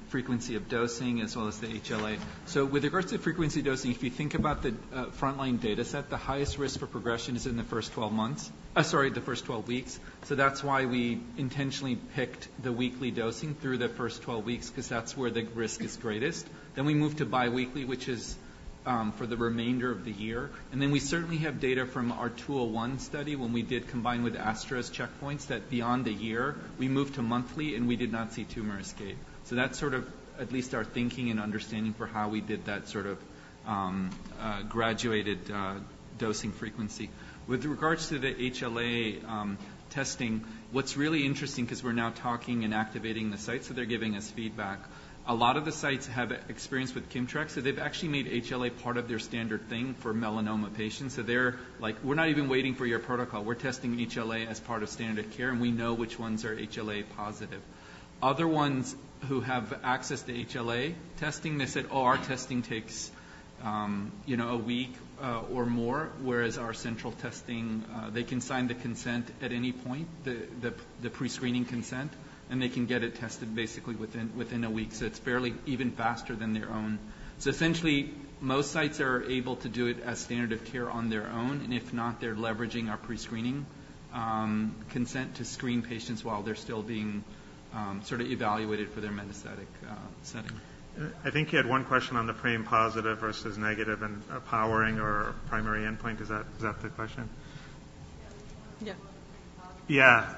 frequency of dosing as well as the HLA. So with regards to frequency dosing, if you think about the frontline data set, the highest risk for progression is in the first 12 months—the first 12 weeks. So that's why we intentionally picked the weekly dosing through the first 12 weeks, because that's where the risk is greatest. Then we moved to biweekly, which is for the remainder of the year. And then we certainly have data from our 201 study when we did combine with anti-checkpoint, that beyond a year, we moved to monthly, and we did not see tumor escape. So that's sort of at least our thinking and understanding for how we did that sort of graduated dosing frequency. With regards to the HLA testing, what's really interesting, because we're now talking and activating the sites, so they're giving us feedback. A lot of the sites have experience with KIMMTRAK, so they've actually made HLA part of their standard thing for melanoma patients. So they're like: "We're not even waiting for your protocol. We're testing HLA as part of standard care, and we know which ones are HLA-positive." Other ones who have access to HLA testing, they said: "Oh, our testing takes, you know, a week or more, whereas our central testing, they can sign the consent at any point, the pre-screening consent, and they can get it tested basically within a week." So it's barely even faster than their own. Essentially, most sites are able to do it as standard of care on their own, and if not, they're leveraging our pre-screening consent to screen patients while they're still being sort of evaluated for their metastatic setting. I think you had one question on the PRAME-positive versus negative and a powering or primary endpoint. Is that, is that the question? Yeah. Yeah. Yeah,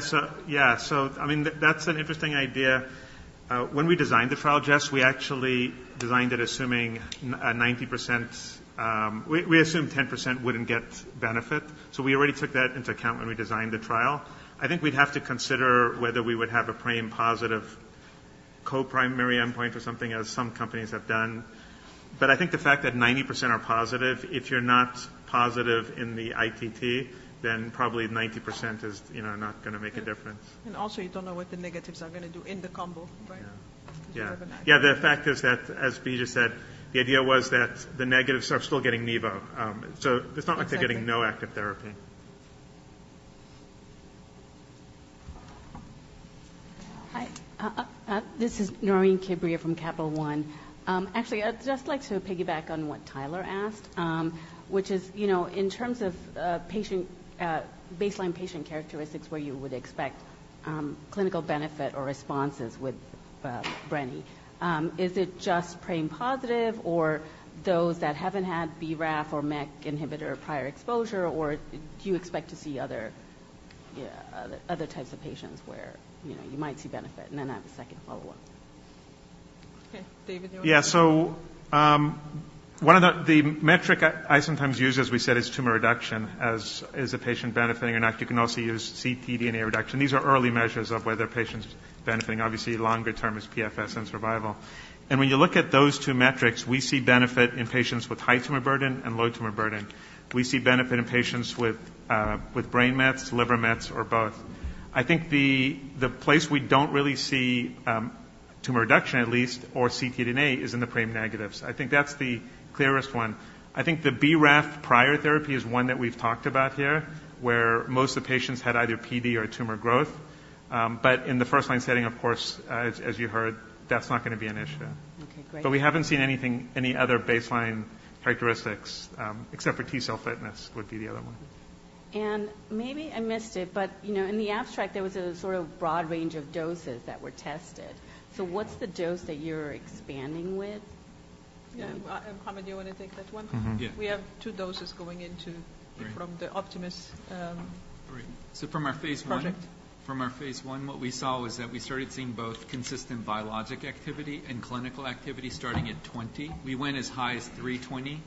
so, yeah. So I mean, that's an interesting idea. When we designed the trial, Jess, we actually designed it assuming a 90%. We, we assumed 10% wouldn't get benefit, so we already took that into account when we designed the trial. I think we'd have to consider whether we would have PRAME-positive co-primary endpoint or something, as some companies have done. But I think the fact that 90% are positive, if you're not positive in the ITT, then probably 90% is, you know, not gonna make a difference. Yeah. And also, you don't know what the negatives are gonna do in the combo, right? Yeah. Because of the— Yeah, the fact is that, as Bahija just said, the idea was that the negatives are still getting nivolumab. So it's not like— Exactly. They're getting no active therapy. Hi, this is Naureen Quibria from Capital One. Actually, I'd just like to piggyback on what Tyler asked, which is, you know, in terms of patient baseline patient characteristics, where you would expect clinical benefit or responses with brenetafusp. Is it just PRAME-positive, or those that haven't had BRAF or MEK inhibitor or prior exposure, or do you expect to see other, yeah, other types of patients where, you know, you might see benefit? And then I have a second follow-up. Okay, David, you want— Yeah. So, one of the metric I sometimes use, as we said, is tumor reduction, as is a patient benefiting or not. You can also use ctDNA reduction. These are early measures of whether a patient's benefiting. Obviously, longer term is PFS and survival. And when you look at those two metrics, we see benefit in patients with high tumor burden and low tumor burden. We see benefit in patients with brain mets, liver mets, or both. I think the place we don't really see tumor reduction at least, or ctDNA, is in the PRAME-negatives. I think that's the clearest one. I think the BRAF prior therapy is one that we've talked about here, where most of the patients had either PD or tumor growth. In the first-line setting, of course, as you heard, that's not gonna be an issue. Okay, great. But we haven't seen anything, any other baseline characteristics, except for T cell fitness would be the other one. Maybe I missed it, but, you know, in the abstract, there was a sort of broad range of doses that were tested. Yeah. What's the dose that you're expanding with? Yeah, Mohammed, do you want to take that one? Mm-hmm. Yeah. We have two doses going into from the Optimus project. Right. So from our phase I, from our phase I, what we saw was that we started seeing both consistent biologic activity and clinical activity starting at 20. We went as high as 320,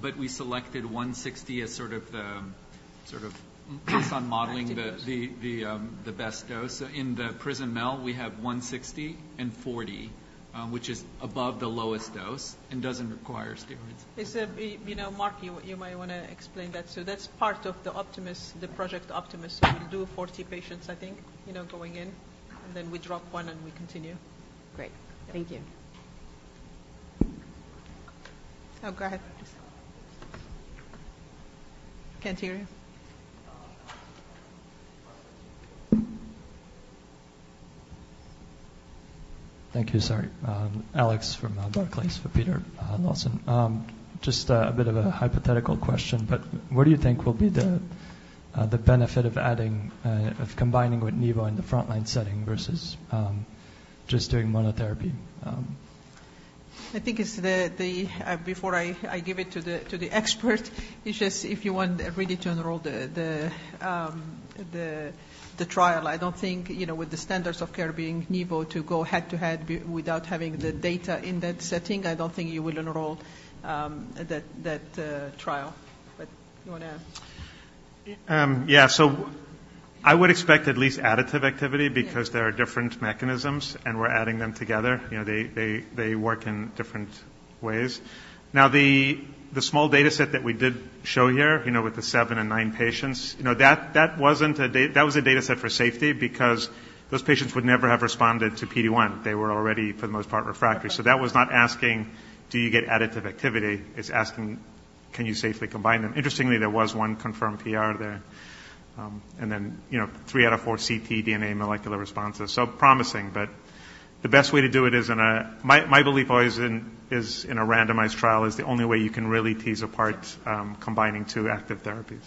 but we selected 160 as sort of the—based on modeling the the best dose. So in the PRISM-MEL, we have 160 and 40, which is above the lowest dose and doesn't require steroids. Is it, you know, Mark, you might wanna explain that? So that's part of the Optimus, the Project Optimus. So we'll do 40 patients, I think, you know, going in, and then we drop one, and we continue. Great. Thank you. Oh, go ahead, please. Can't hear you. Thank you. Sorry. Alex from Barclays, for Peter Lawson. Just a bit of a hypothetical question, but what do you think will be the, the benefit of adding, of combining with nivolumab in the frontline setting versus, just doing monotherapy? I think it's before I give it to the expert, it's just if you want really to enroll the trial. I don't think, you know, with the standards of care being nivolumab to go head-to-head without having the data in that setting, I don't think you will enroll that trial. But you wanna— Yeah. So I would expect at least additive activity because there are different mechanisms, and we're adding them together. You know, they work in different ways. Now, the small dataset that we did show here, you know, with the 7 and 9 patients, you know, that wasn't a dataset for safety because those patients would never have responded to PD-1. They were already, for the most part, refractory. So that was not asking, "Do you get additive activity?" It's asking: Can you safely combine them? Interestingly, there was one confirmed PR there, and then, you know, three out of four ctDNA molecular responses. So promising, but the best way to do it is in a—my belief always is in a randomized trial, is the only way you can really tease apart, combining two active therapies.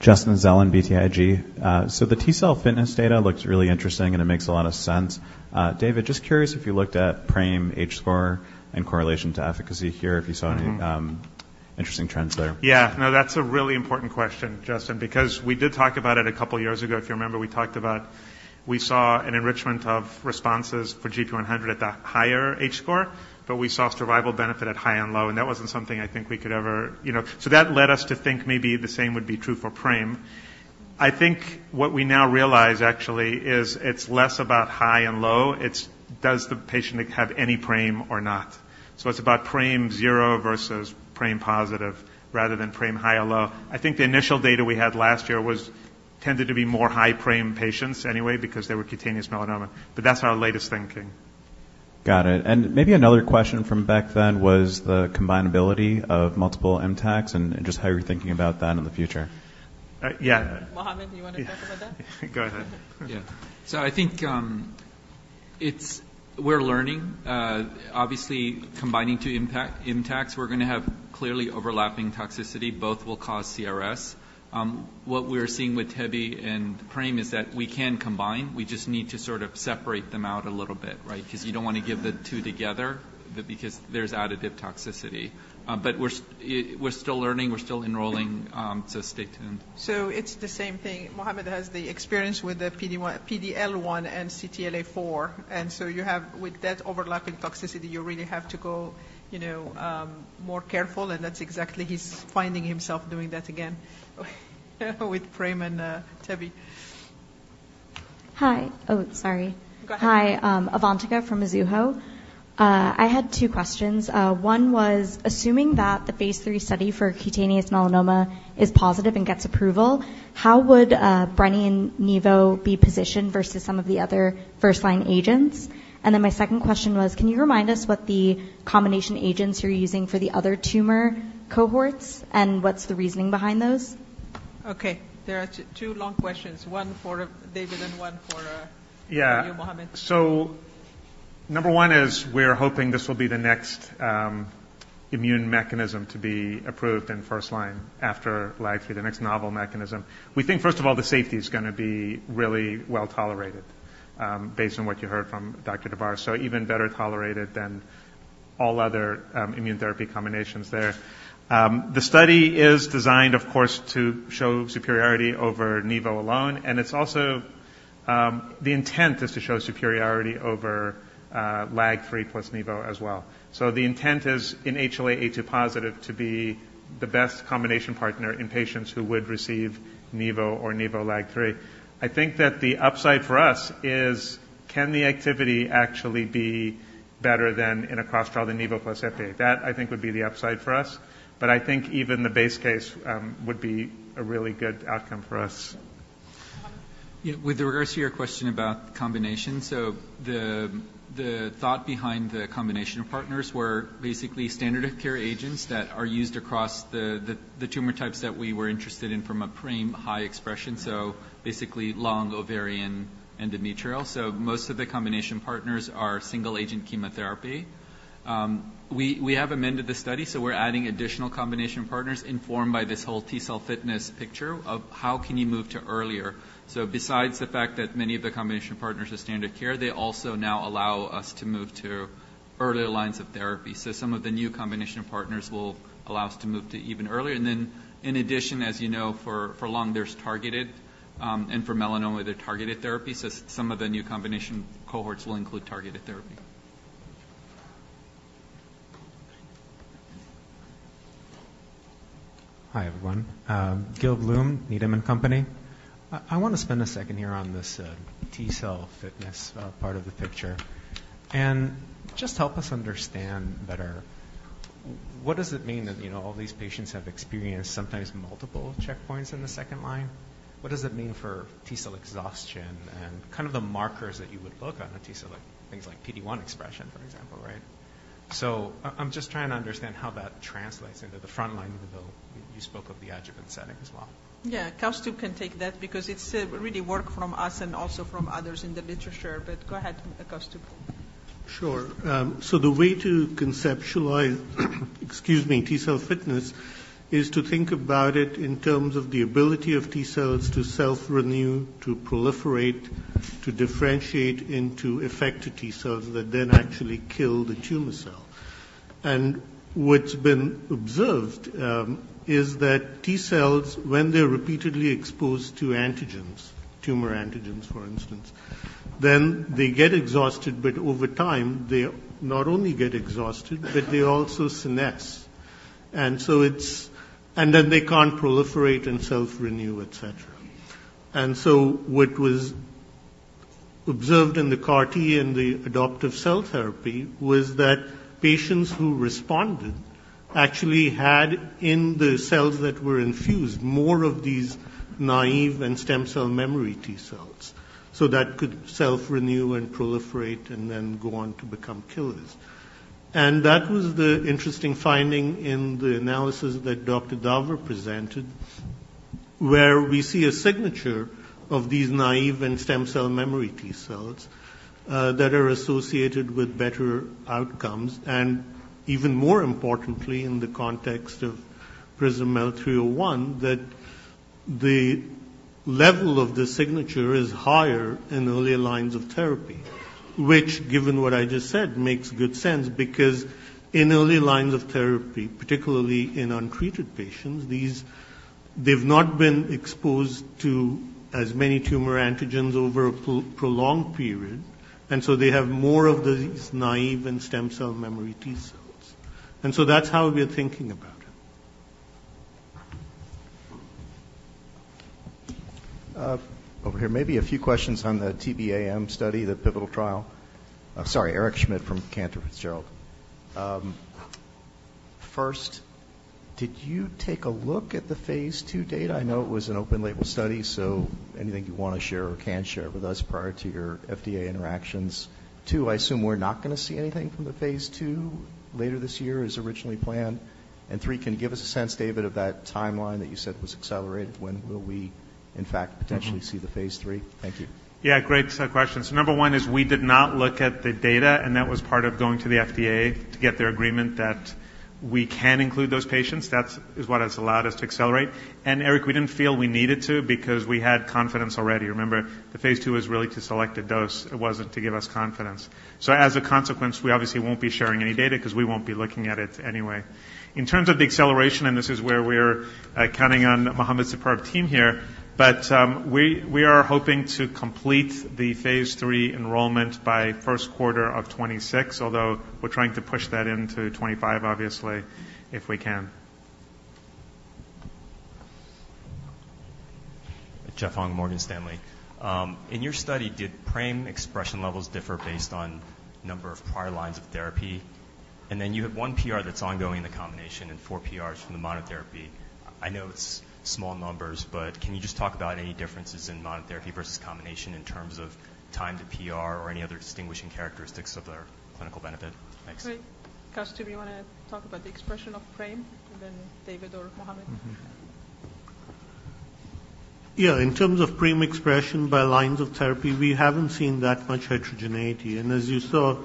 Justin Zelin, BTIG. So the T cell fitness data looks really interesting, and it makes a lot of sense. David, just curious if you looked at PRAME H-score and correlation to efficacy here, if you saw any interesting trends there? Yeah. No, that's a really important question, Justin, because we did talk about it a couple of years ago. If you remember, we talked about, we saw an enrichment of responses for gp100 at the higher H-score, but we saw survival benefit at high and low, and that wasn't something I think we could ever, you know. So that led us to think maybe the same would be true for PRAME. I think what we now realize actually is it's less about high and low. It's does the patient have any PRAME or not? So it's about PRAME zero versus PRAME-positive, rather than PRAME high or low. I think the initial data we had last year was, tended to be more high PRAME patients anyway because they were cutaneous melanoma, but that's our latest thinking. Got it. Maybe another question from back then was the combinability of multiple ImmTACs and just how you're thinking about that in the future. Uh, yeah. Mohammed, you want to talk about that? Go ahead. Yeah. So I think, it's we're learning. Obviously, combining two ImmTACs, we're gonna have clearly overlapping toxicity. Both will cause CRS. What we're seeing with tebentafusp and PRAME is that we can combine. We just need to sort of separate them out a little bit, right? Because you don't want to give the two together because there's additive toxicity. But we're still learning, we're still enrolling, so stay tuned. So it's the same thing. Mohammed has the experience with the PD-1, PD-L1, and CTLA-4, and so you have, with that overlapping toxicity, you really have to go, you know, more careful, and that's exactly, he's finding himself doing that again, with PRAME and tebentafusp. Hi! Oh, sorry. Go ahead. Hi, Avantika from Mizuho. I had two questions. One was, assuming that phase III study for cutaneous melanoma is positive and gets approval, how would brenetafusp and nivolumab be positioned versus some of the other first-line agents? And then my second question was, can you remind us what the combination agents you're using for the other tumor cohorts, and what's the reasoning behind those? Okay, there are two, two long questions. One for David and one for, Yeah. You, Mohamed. So number one is we're hoping this will be the next immune mechanism to be approved in first-line after LAG-3, the next novel mechanism. We think, first of all, the safety is going to be really well-tolerated, based on what you heard from Dr. Davar, so even better tolerated than all other immune therapy combinations there. The study is designed, of course, to show superiority over nivolumab alone, and it's also—the intent is to show superiority over LAG-3 plus nivolumab as well. So the intent is in HLA-A*02-positive to be the best combination partner in patients who would receive nivolumab or nivolumab LAG-3. I think that the upside for us is, can the activity actually be better than in a cross trial than nivolumab plus ipi? That, I think, would be the upside for us, but I think even the base case would be a really good outcome for us. Mohamed? Yeah. With regards to your question about combination, so the thought behind the combination partners were basically standard of care agents that are used across the tumor types that we were interested in from a PRAME high expression, so basically lung, ovarian, endometrial. So most of the combination partners are single-agent chemotherapy. We have amended the study, so we're adding additional combination partners informed by this whole T cell fitness picture of how can you move to earlier. So besides the fact that many of the combination partners are standard of care, they also now allow us to move to earlier lines of therapy. So some of the new combination partners will allow us to move to even earlier. And then in addition, as you know, for lung, there's targeted, and for melanoma, the targeted therapy. Some of the new combination cohorts will include targeted therapy. Hi, everyone. Gil Blum, Needham & Company. I want to spend a second here on this T cell fitness part of the picture. And just help us understand better, what does it mean that, you know, all these patients have experienced sometimes multiple checkpoints in the second-line? What does it mean for T cell exhaustion and kind of the markers that you would look on a T cell, like things like PD-1 expression, for example, right? So I'm just trying to understand how that translates into the front line, even though you spoke of the adjuvant setting as well. Yeah, Koustubh can take that because it's really work from us and also from others in the literature. But go ahead, Koustubh. Sure. So the way to conceptualize, excuse me, T cell fitness is to think about it in terms of the ability of T cells to self-renew, to proliferate, to differentiate into effective T cells that then actually kill the tumor cell. What's been observed is that T cells, when they're repeatedly exposed to antigens, tumor antigens, for instance, then they get exhausted, but over time, they not only get exhausted, but they also senesce. So it's, and then they can't proliferate and self-renew, et cetera. So what was observed in the CAR T and the adoptive cell therapy was that patients who responded actually had in the cells that were infused, more of these naive and stem cell memory T cells, so that could self-renew and proliferate and then go on to become killers. That was the interesting finding in the analysis that Dr.Davar presented, where we see a signature of these naive and stem cell memory T cells that are associated with better outcomes, and even more importantly, in the context of PRISM-MEL-301, that the level of the signature is higher in earlier lines of therapy, which, given what I just said, makes good sense because in early lines of therapy, particularly in untreated patients, these, they've not been exposed to as many tumor antigens over a prolonged period, and so they have more of these naive and stem cell memory T cells. And so that's how we are thinking about it. Over here. Maybe a few questions on the TEBE-AM study, the pivotal trial. Sorry, Eric Schmidt from Cantor Fitzgerald. First, did you take a look at the phase II data? I know it was an open-label study, so anything you want to share or can share with us prior to your FDA interactions. Two, I assume we're not going to see anything from the phase II later this year as originally planned. And three, can you give us a sense, David, of that timeline that you said was accelerated? When will we, in fact, potentially see the phase III? Thank you. Yeah, great set of questions. Number one is we did not look at the data, and that was part of going to the FDA to get their agreement that we can include those patients. That's what has allowed us to accelerate. And Eric, we didn't feel we needed to because we had confidence already. Remember, the phase II was really to select a dose. It wasn't to give us confidence. So as a consequence, we obviously won't be sharing any data 'cause we won't be looking at it anyway. In terms of the acceleration, and this is where we're counting on Mohammed's superb team here, but, we are hoping to complete the phase III enrollment by first quarter of 2026, although we're trying to push that into 2025, obviously, if we can. Jeffrey Hung, Morgan Stanley. In your study, did PRAME expression levels differ based on number of prior lines of therapy? And then you have one PR that's ongoing in the combination and four PRs from the monotherapy. I know it's small numbers, but can you just talk about any differences in monotherapy versus combination in terms of time to PR or any other distinguishing characteristics of their clinical benefit? Thanks. Great. Koustubh, you want to talk about the expression of PRAME, and then David or Mohammed? Yeah, in terms of PRAME expression by lines of therapy, we haven't seen that much heterogeneity. As you saw,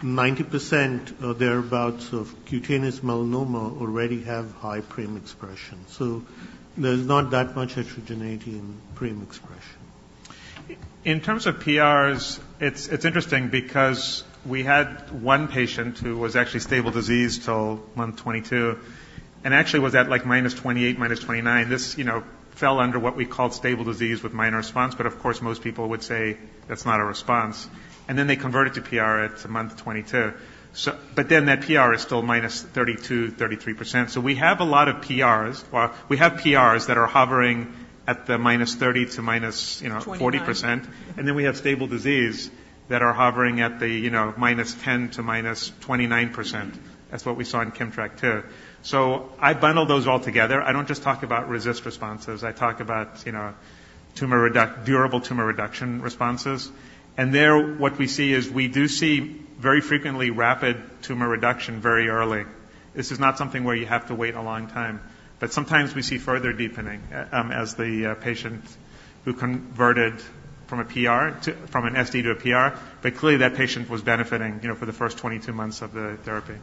90% or thereabouts of cutaneous melanoma already have high PRAME expression, so there's not that much heterogeneity in PRAME expression. In terms of PRs, it's interesting because we had one patient who was actually stable disease till month 22, and actually was at like -28, -29. This, you know, fell under what we called stable disease with minor response, but of course, most people would say that's not a response. And then they converted to PR at month 22. So—but then that PR is still -32, -33%. So we have a lot of PRs. Well, we have PRs that are hovering at the -30 to minus, you know— Twenty-nine. Minus forty percent, and then we have stable disease that are hovering at the, you know, -10% to -29%. That's what we saw in KIMMTRAK too. So I bundle those all together. I don't just talk about RECIST responses. I talk about, you know, tumor reduction, durable tumor reduction responses. And there, what we see is we do see very frequently rapid tumor reduction very early. This is not something where you have to wait a long time, but sometimes we see further deepening as the patient who converted from a PR to from an SD to a PR. But clearly, that patient was benefiting, you know, for the first 22 months of the therapy.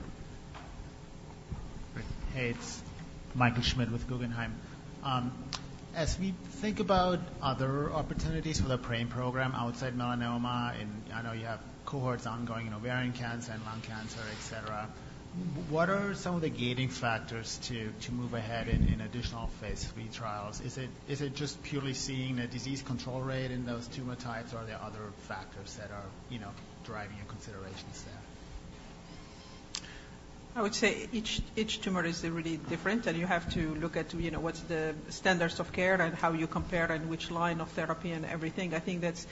Great. Hey, it's Michael Schmidt with Guggenheim. As we think about other opportunities for the PRAME program outside melanoma, and I know you have cohorts ongoing in ovarian cancer and lung cancer, et cetera. What are some of the gating factors to move ahead in additional phase III trials? Is it just purely seeing the disease control rate in those tumor types, or are there other factors that are, you know, driving your consideration set? I would say each, each tumor is really different, and you have to look at, you know, what's the standards of care and how you compare and which line of therapy and everything. I think that's,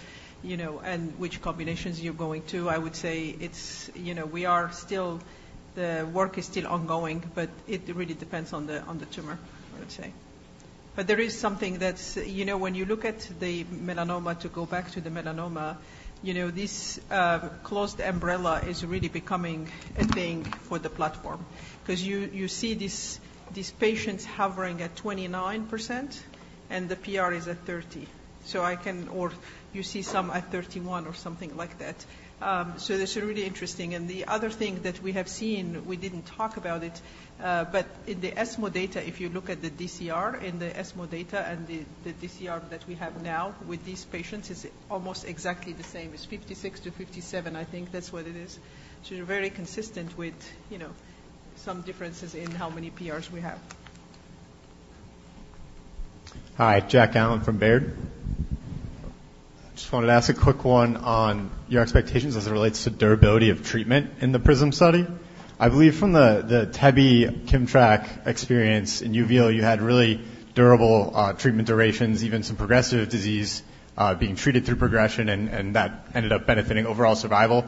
you know, and which combinations you're going to. I would say it's, you know, we are still—the work is still ongoing, but it really depends on the, on the tumor, I would say. But there is something that's—ou know, when you look at the melanoma, to go back to the melanoma, you know, this, closed umbrella is really becoming a thing for the platform. 'Cause you, you see these, these patients hovering at 29%, and the PR is at 30. So I can—or you see some at 31 or something like that. So it's really interesting. The other thing that we have seen, we didn't talk about it, but in the ESMO data, if you look at the DCR in the ESMO data and the DCR that we have now with these patients, is almost exactly the same. It's 56-57, I think that's what it is. So they're very consistent with, you know, some differences in how many PRs we have. Hi, Jack Allen from Baird. Just wanted to ask a quick one on your expectations as it relates to durability of treatment in the PRISM study. I believe from the KIMMTRAK experience in uveal, you had really durable treatment durations, even some progressive disease being treated through progression, and that ended up benefiting overall survival.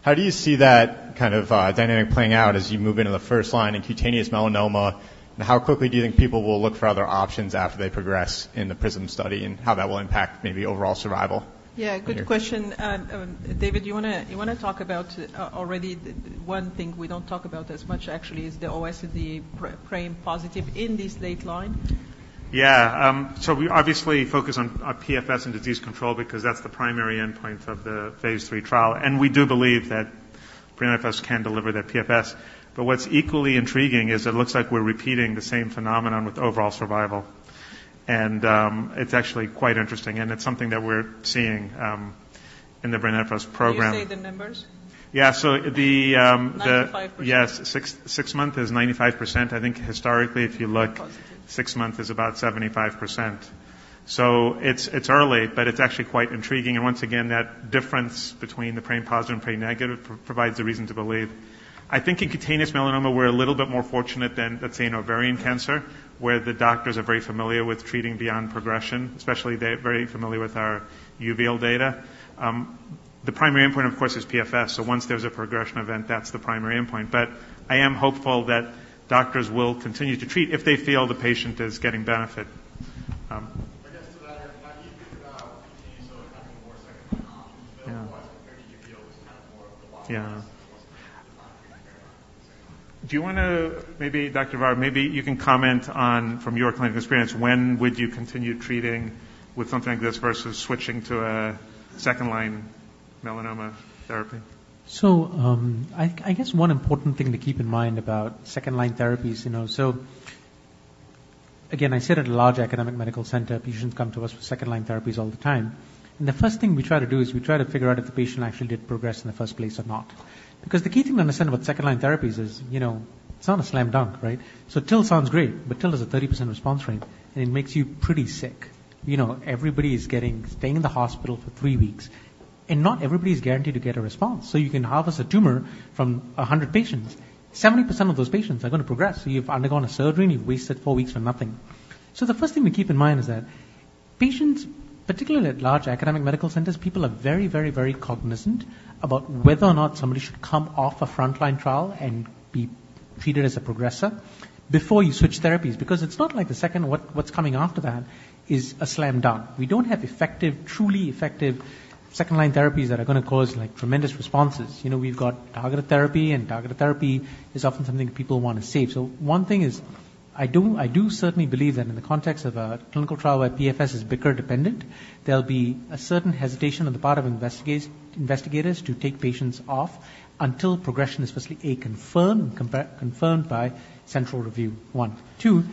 How do you see that kind of dynamic playing out as you move into the first-line in cutaneous melanoma? And how quickly do you think people will look for other options after they progress in the PRISM study, and how that will impact maybe overall survival? Yeah, good question. David, you want to talk about one thing we don't talk about as much, actually, is the OS of the PRAME-positive in this late line? Yeah. So we obviously focus on PFS and disease control because that's the primary endpoint of the phase III trial, and we do believe that brenetafusp can deliver that PFS. But what's equally intriguing is it looks like we're repeating the same phenomenon with overall survival. And it's actually quite interesting, and it's something that we're seeing in the brenetafusp program. Can you say the numbers? Yeah. So the— Ninety-five percent. Yes, six months is 95%. I think historically, if you look— Positive. Six months is about 75%. So it's early, but it's actually quite intriguing. And once again, that difference between the PRAME-positive and PRAME-negative provides a reason to believe. I think in cutaneous melanoma, we're a little bit more fortunate than, let's say, in ovarian cancer, where the doctors are very familiar with treating beyond progression, especially they're very familiar with our uveal data. The primary endpoint, of course, is PFS, so once there's a progression event, that's the primary endpoint. But I am hopeful that doctors will continue to treat if they feel the patient is getting benefit. I guess to that end, when you think about continuing, so having more second-line options available— Yeah. Wasn't 30 years, kind of more of the last— Yeah. It wasn't the primary second-line. Do you want to—maybe, Dr. Davar, maybe you can comment on, from your clinical experience, when would you continue treating with something like this versus switching to a second-line melanoma therapy? So, I guess one important thing to keep in mind about second-line therapies, you know, so again, I sit at a large academic medical center. Patients come to us with second-line therapies all the time. And the first thing we try to do is we try to figure out if the patient actually did progress in the first place or not. Because the key thing to understand about second-line therapies is, you know, it's not a slam dunk, right? So TIL sounds great, but TIL there's a 30% response rate, and it makes you pretty sick. You know, everybody is getting, staying in the hospital for three weeks, and not everybody is guaranteed to get a response. So you can harvest a tumor from 100 patients, 70% of those patients are going to progress. So you've undergone a surgery, and you've wasted 4 weeks for nothing. So the first thing to keep in mind is that patients, particularly at large academic medical centers, people are very, very, very cognizant about whether or not somebody should come off a frontline trial and be treated as a progressor before you switch therapies. Because it's not like the second, what, what's coming after that is a slam dunk. We don't have effective, truly effective second-line therapies that are going to cause, like, tremendous responses. You know, we've got targeted therapy, and targeted therapy is often something people want to save. So one thing is, I do, I do certainly believe that in the context of a clinical trial where PFS is BICR-dependent, there'll be a certain hesitation on the part of investigators to take patients off until progression is firstly, a, confirmed, confirmed by central review, one. Two,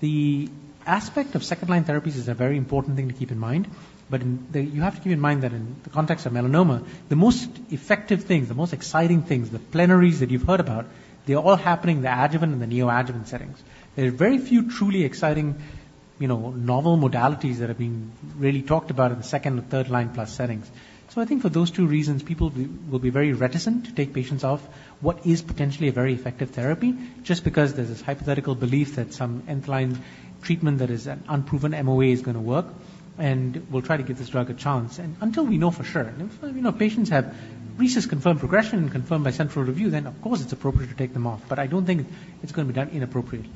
the aspect of second-line therapies is a very important thing to keep in mind, but in—you have to keep in mind that in the context of melanoma, the most effective things, the most exciting things, the plenaries that you've heard about, they're all happening in the adjuvant and the neoadjuvant settings. There are very few truly exciting, you know, novel modalities that are being really talked about in the second or third-line plus settings. So I think for those two reasons, people will be, will be very reticent to take patients off what is potentially a very effective therapy, just because there's this hypothetical belief that some end-line treatment that is an unproven MOA is going to work, and we'll try to give this drug a chance. And until we know for sure, you know, patients have recent confirmed progression and confirmed by central review, then, of course, it's appropriate to take them off, but I don't think it's going to be done inappropriately.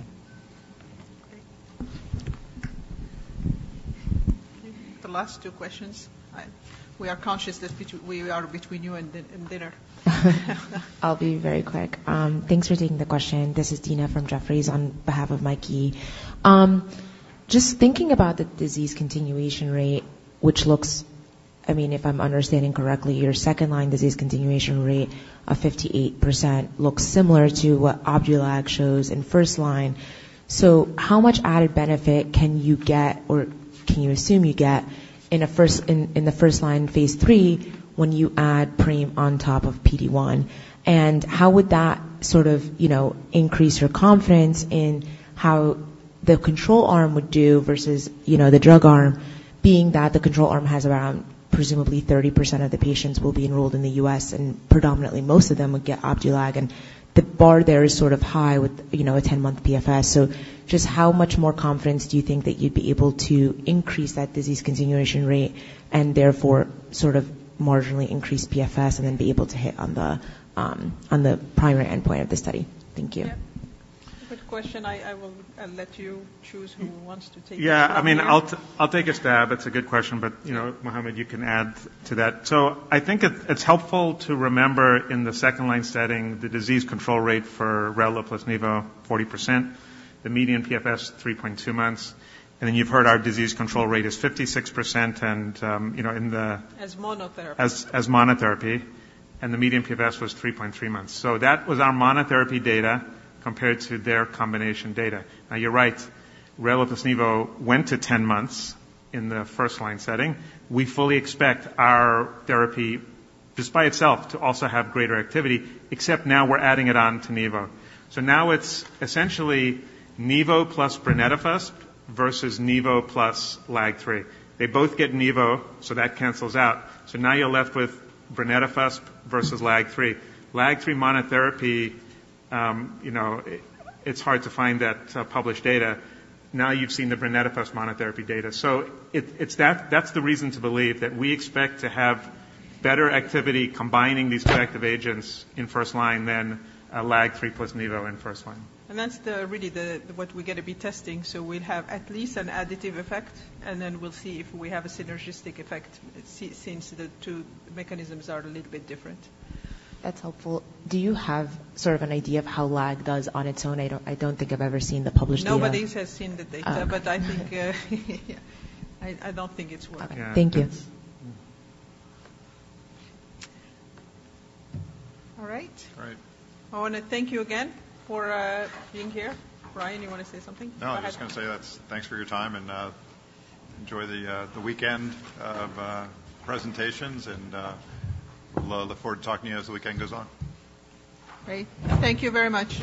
Great. The last two questions. We are conscious that we are between you and dinner. I'll be very quick. Thanks for taking the question. This is Tina from Jefferies, on behalf of Mikey. Just thinking about the disease control rate, which looks, I mean, if I'm understanding correctly, your second-line disease control rate of 58% looks similar to what Opdualag shows in first-line. So how much added benefit can you get, or can you assume you get in the phase III, when you add PRAME on top of PD-1? And how would that sort of, you know, increase your confidence in how the control arm would do versus, you know, the drug arm, being that the control arm has around, presumably, 30% of the patients will be enrolled in the U.S., and predominantly most of them would get Opdualag, and the bar there is sort of high with, you know, a 10-month PFS. Just how much more confidence do you think that you'd be able to increase that disease continuation rate and therefore sort of marginally increase PFS and then be able to hit on the, on the primary endpoint of the study? Thank you. Yeah. Good question. I, I will, I'll let you choose who wants to take this one. Yeah. I mean, I'll, I'll take a stab. It's a good question, but, you know, Mohammed, you can add to that. So I think it, it's helpful to remember in the second-line setting, the disease control rate for relatlimab plus nivolumab, 40%, the median PFS, 3.2 months, and then you've heard our disease control rate is 56%, and, you know, in the— As monotherapy. As monotherapy, the median PFS was 3.3 months. So that was our monotherapy data compared to their combination data. Now, you're right, relatlimab plus nivolumab went to 10 months in the first-line setting. We fully expect our therapy, just by itself, to also have greater activity, except now we're adding it on to nivolumab. So now it's essentially nivolumab plus brenetafusp versus nivolumab plus LAG-3. They both get nivolumab, so that cancels out. So now you're left with brenetafusp versus LAG-3. LAG-3 monotherapy, you know, it's hard to find that published data. Now you've seen the brenetafusp monotherapy data. So that's the reason to believe that we expect to have better activity combining these two active agents in first-line than relatlimab plus nivolumab in first-line. That's really what we're going to be testing. So we'll have at least an additive effect, and then we'll see if we have a synergistic effect, since the two mechanisms are a little bit different. That's helpful. Do you have sort of an idea of how LAG does on its own? I don't, I don't think I've ever seen the published data. Nobody has seen the data— Oh. But I think, I don't think it's working. Yeah. Thank you. All right. All right. I want to thank you again for being here. Brian, you want to say something? No, I was just going to say that's—thanks for your time, and enjoy the weekend of presentations, and we'll look forward to talking to you as the weekend goes on. Great. Thank you very much.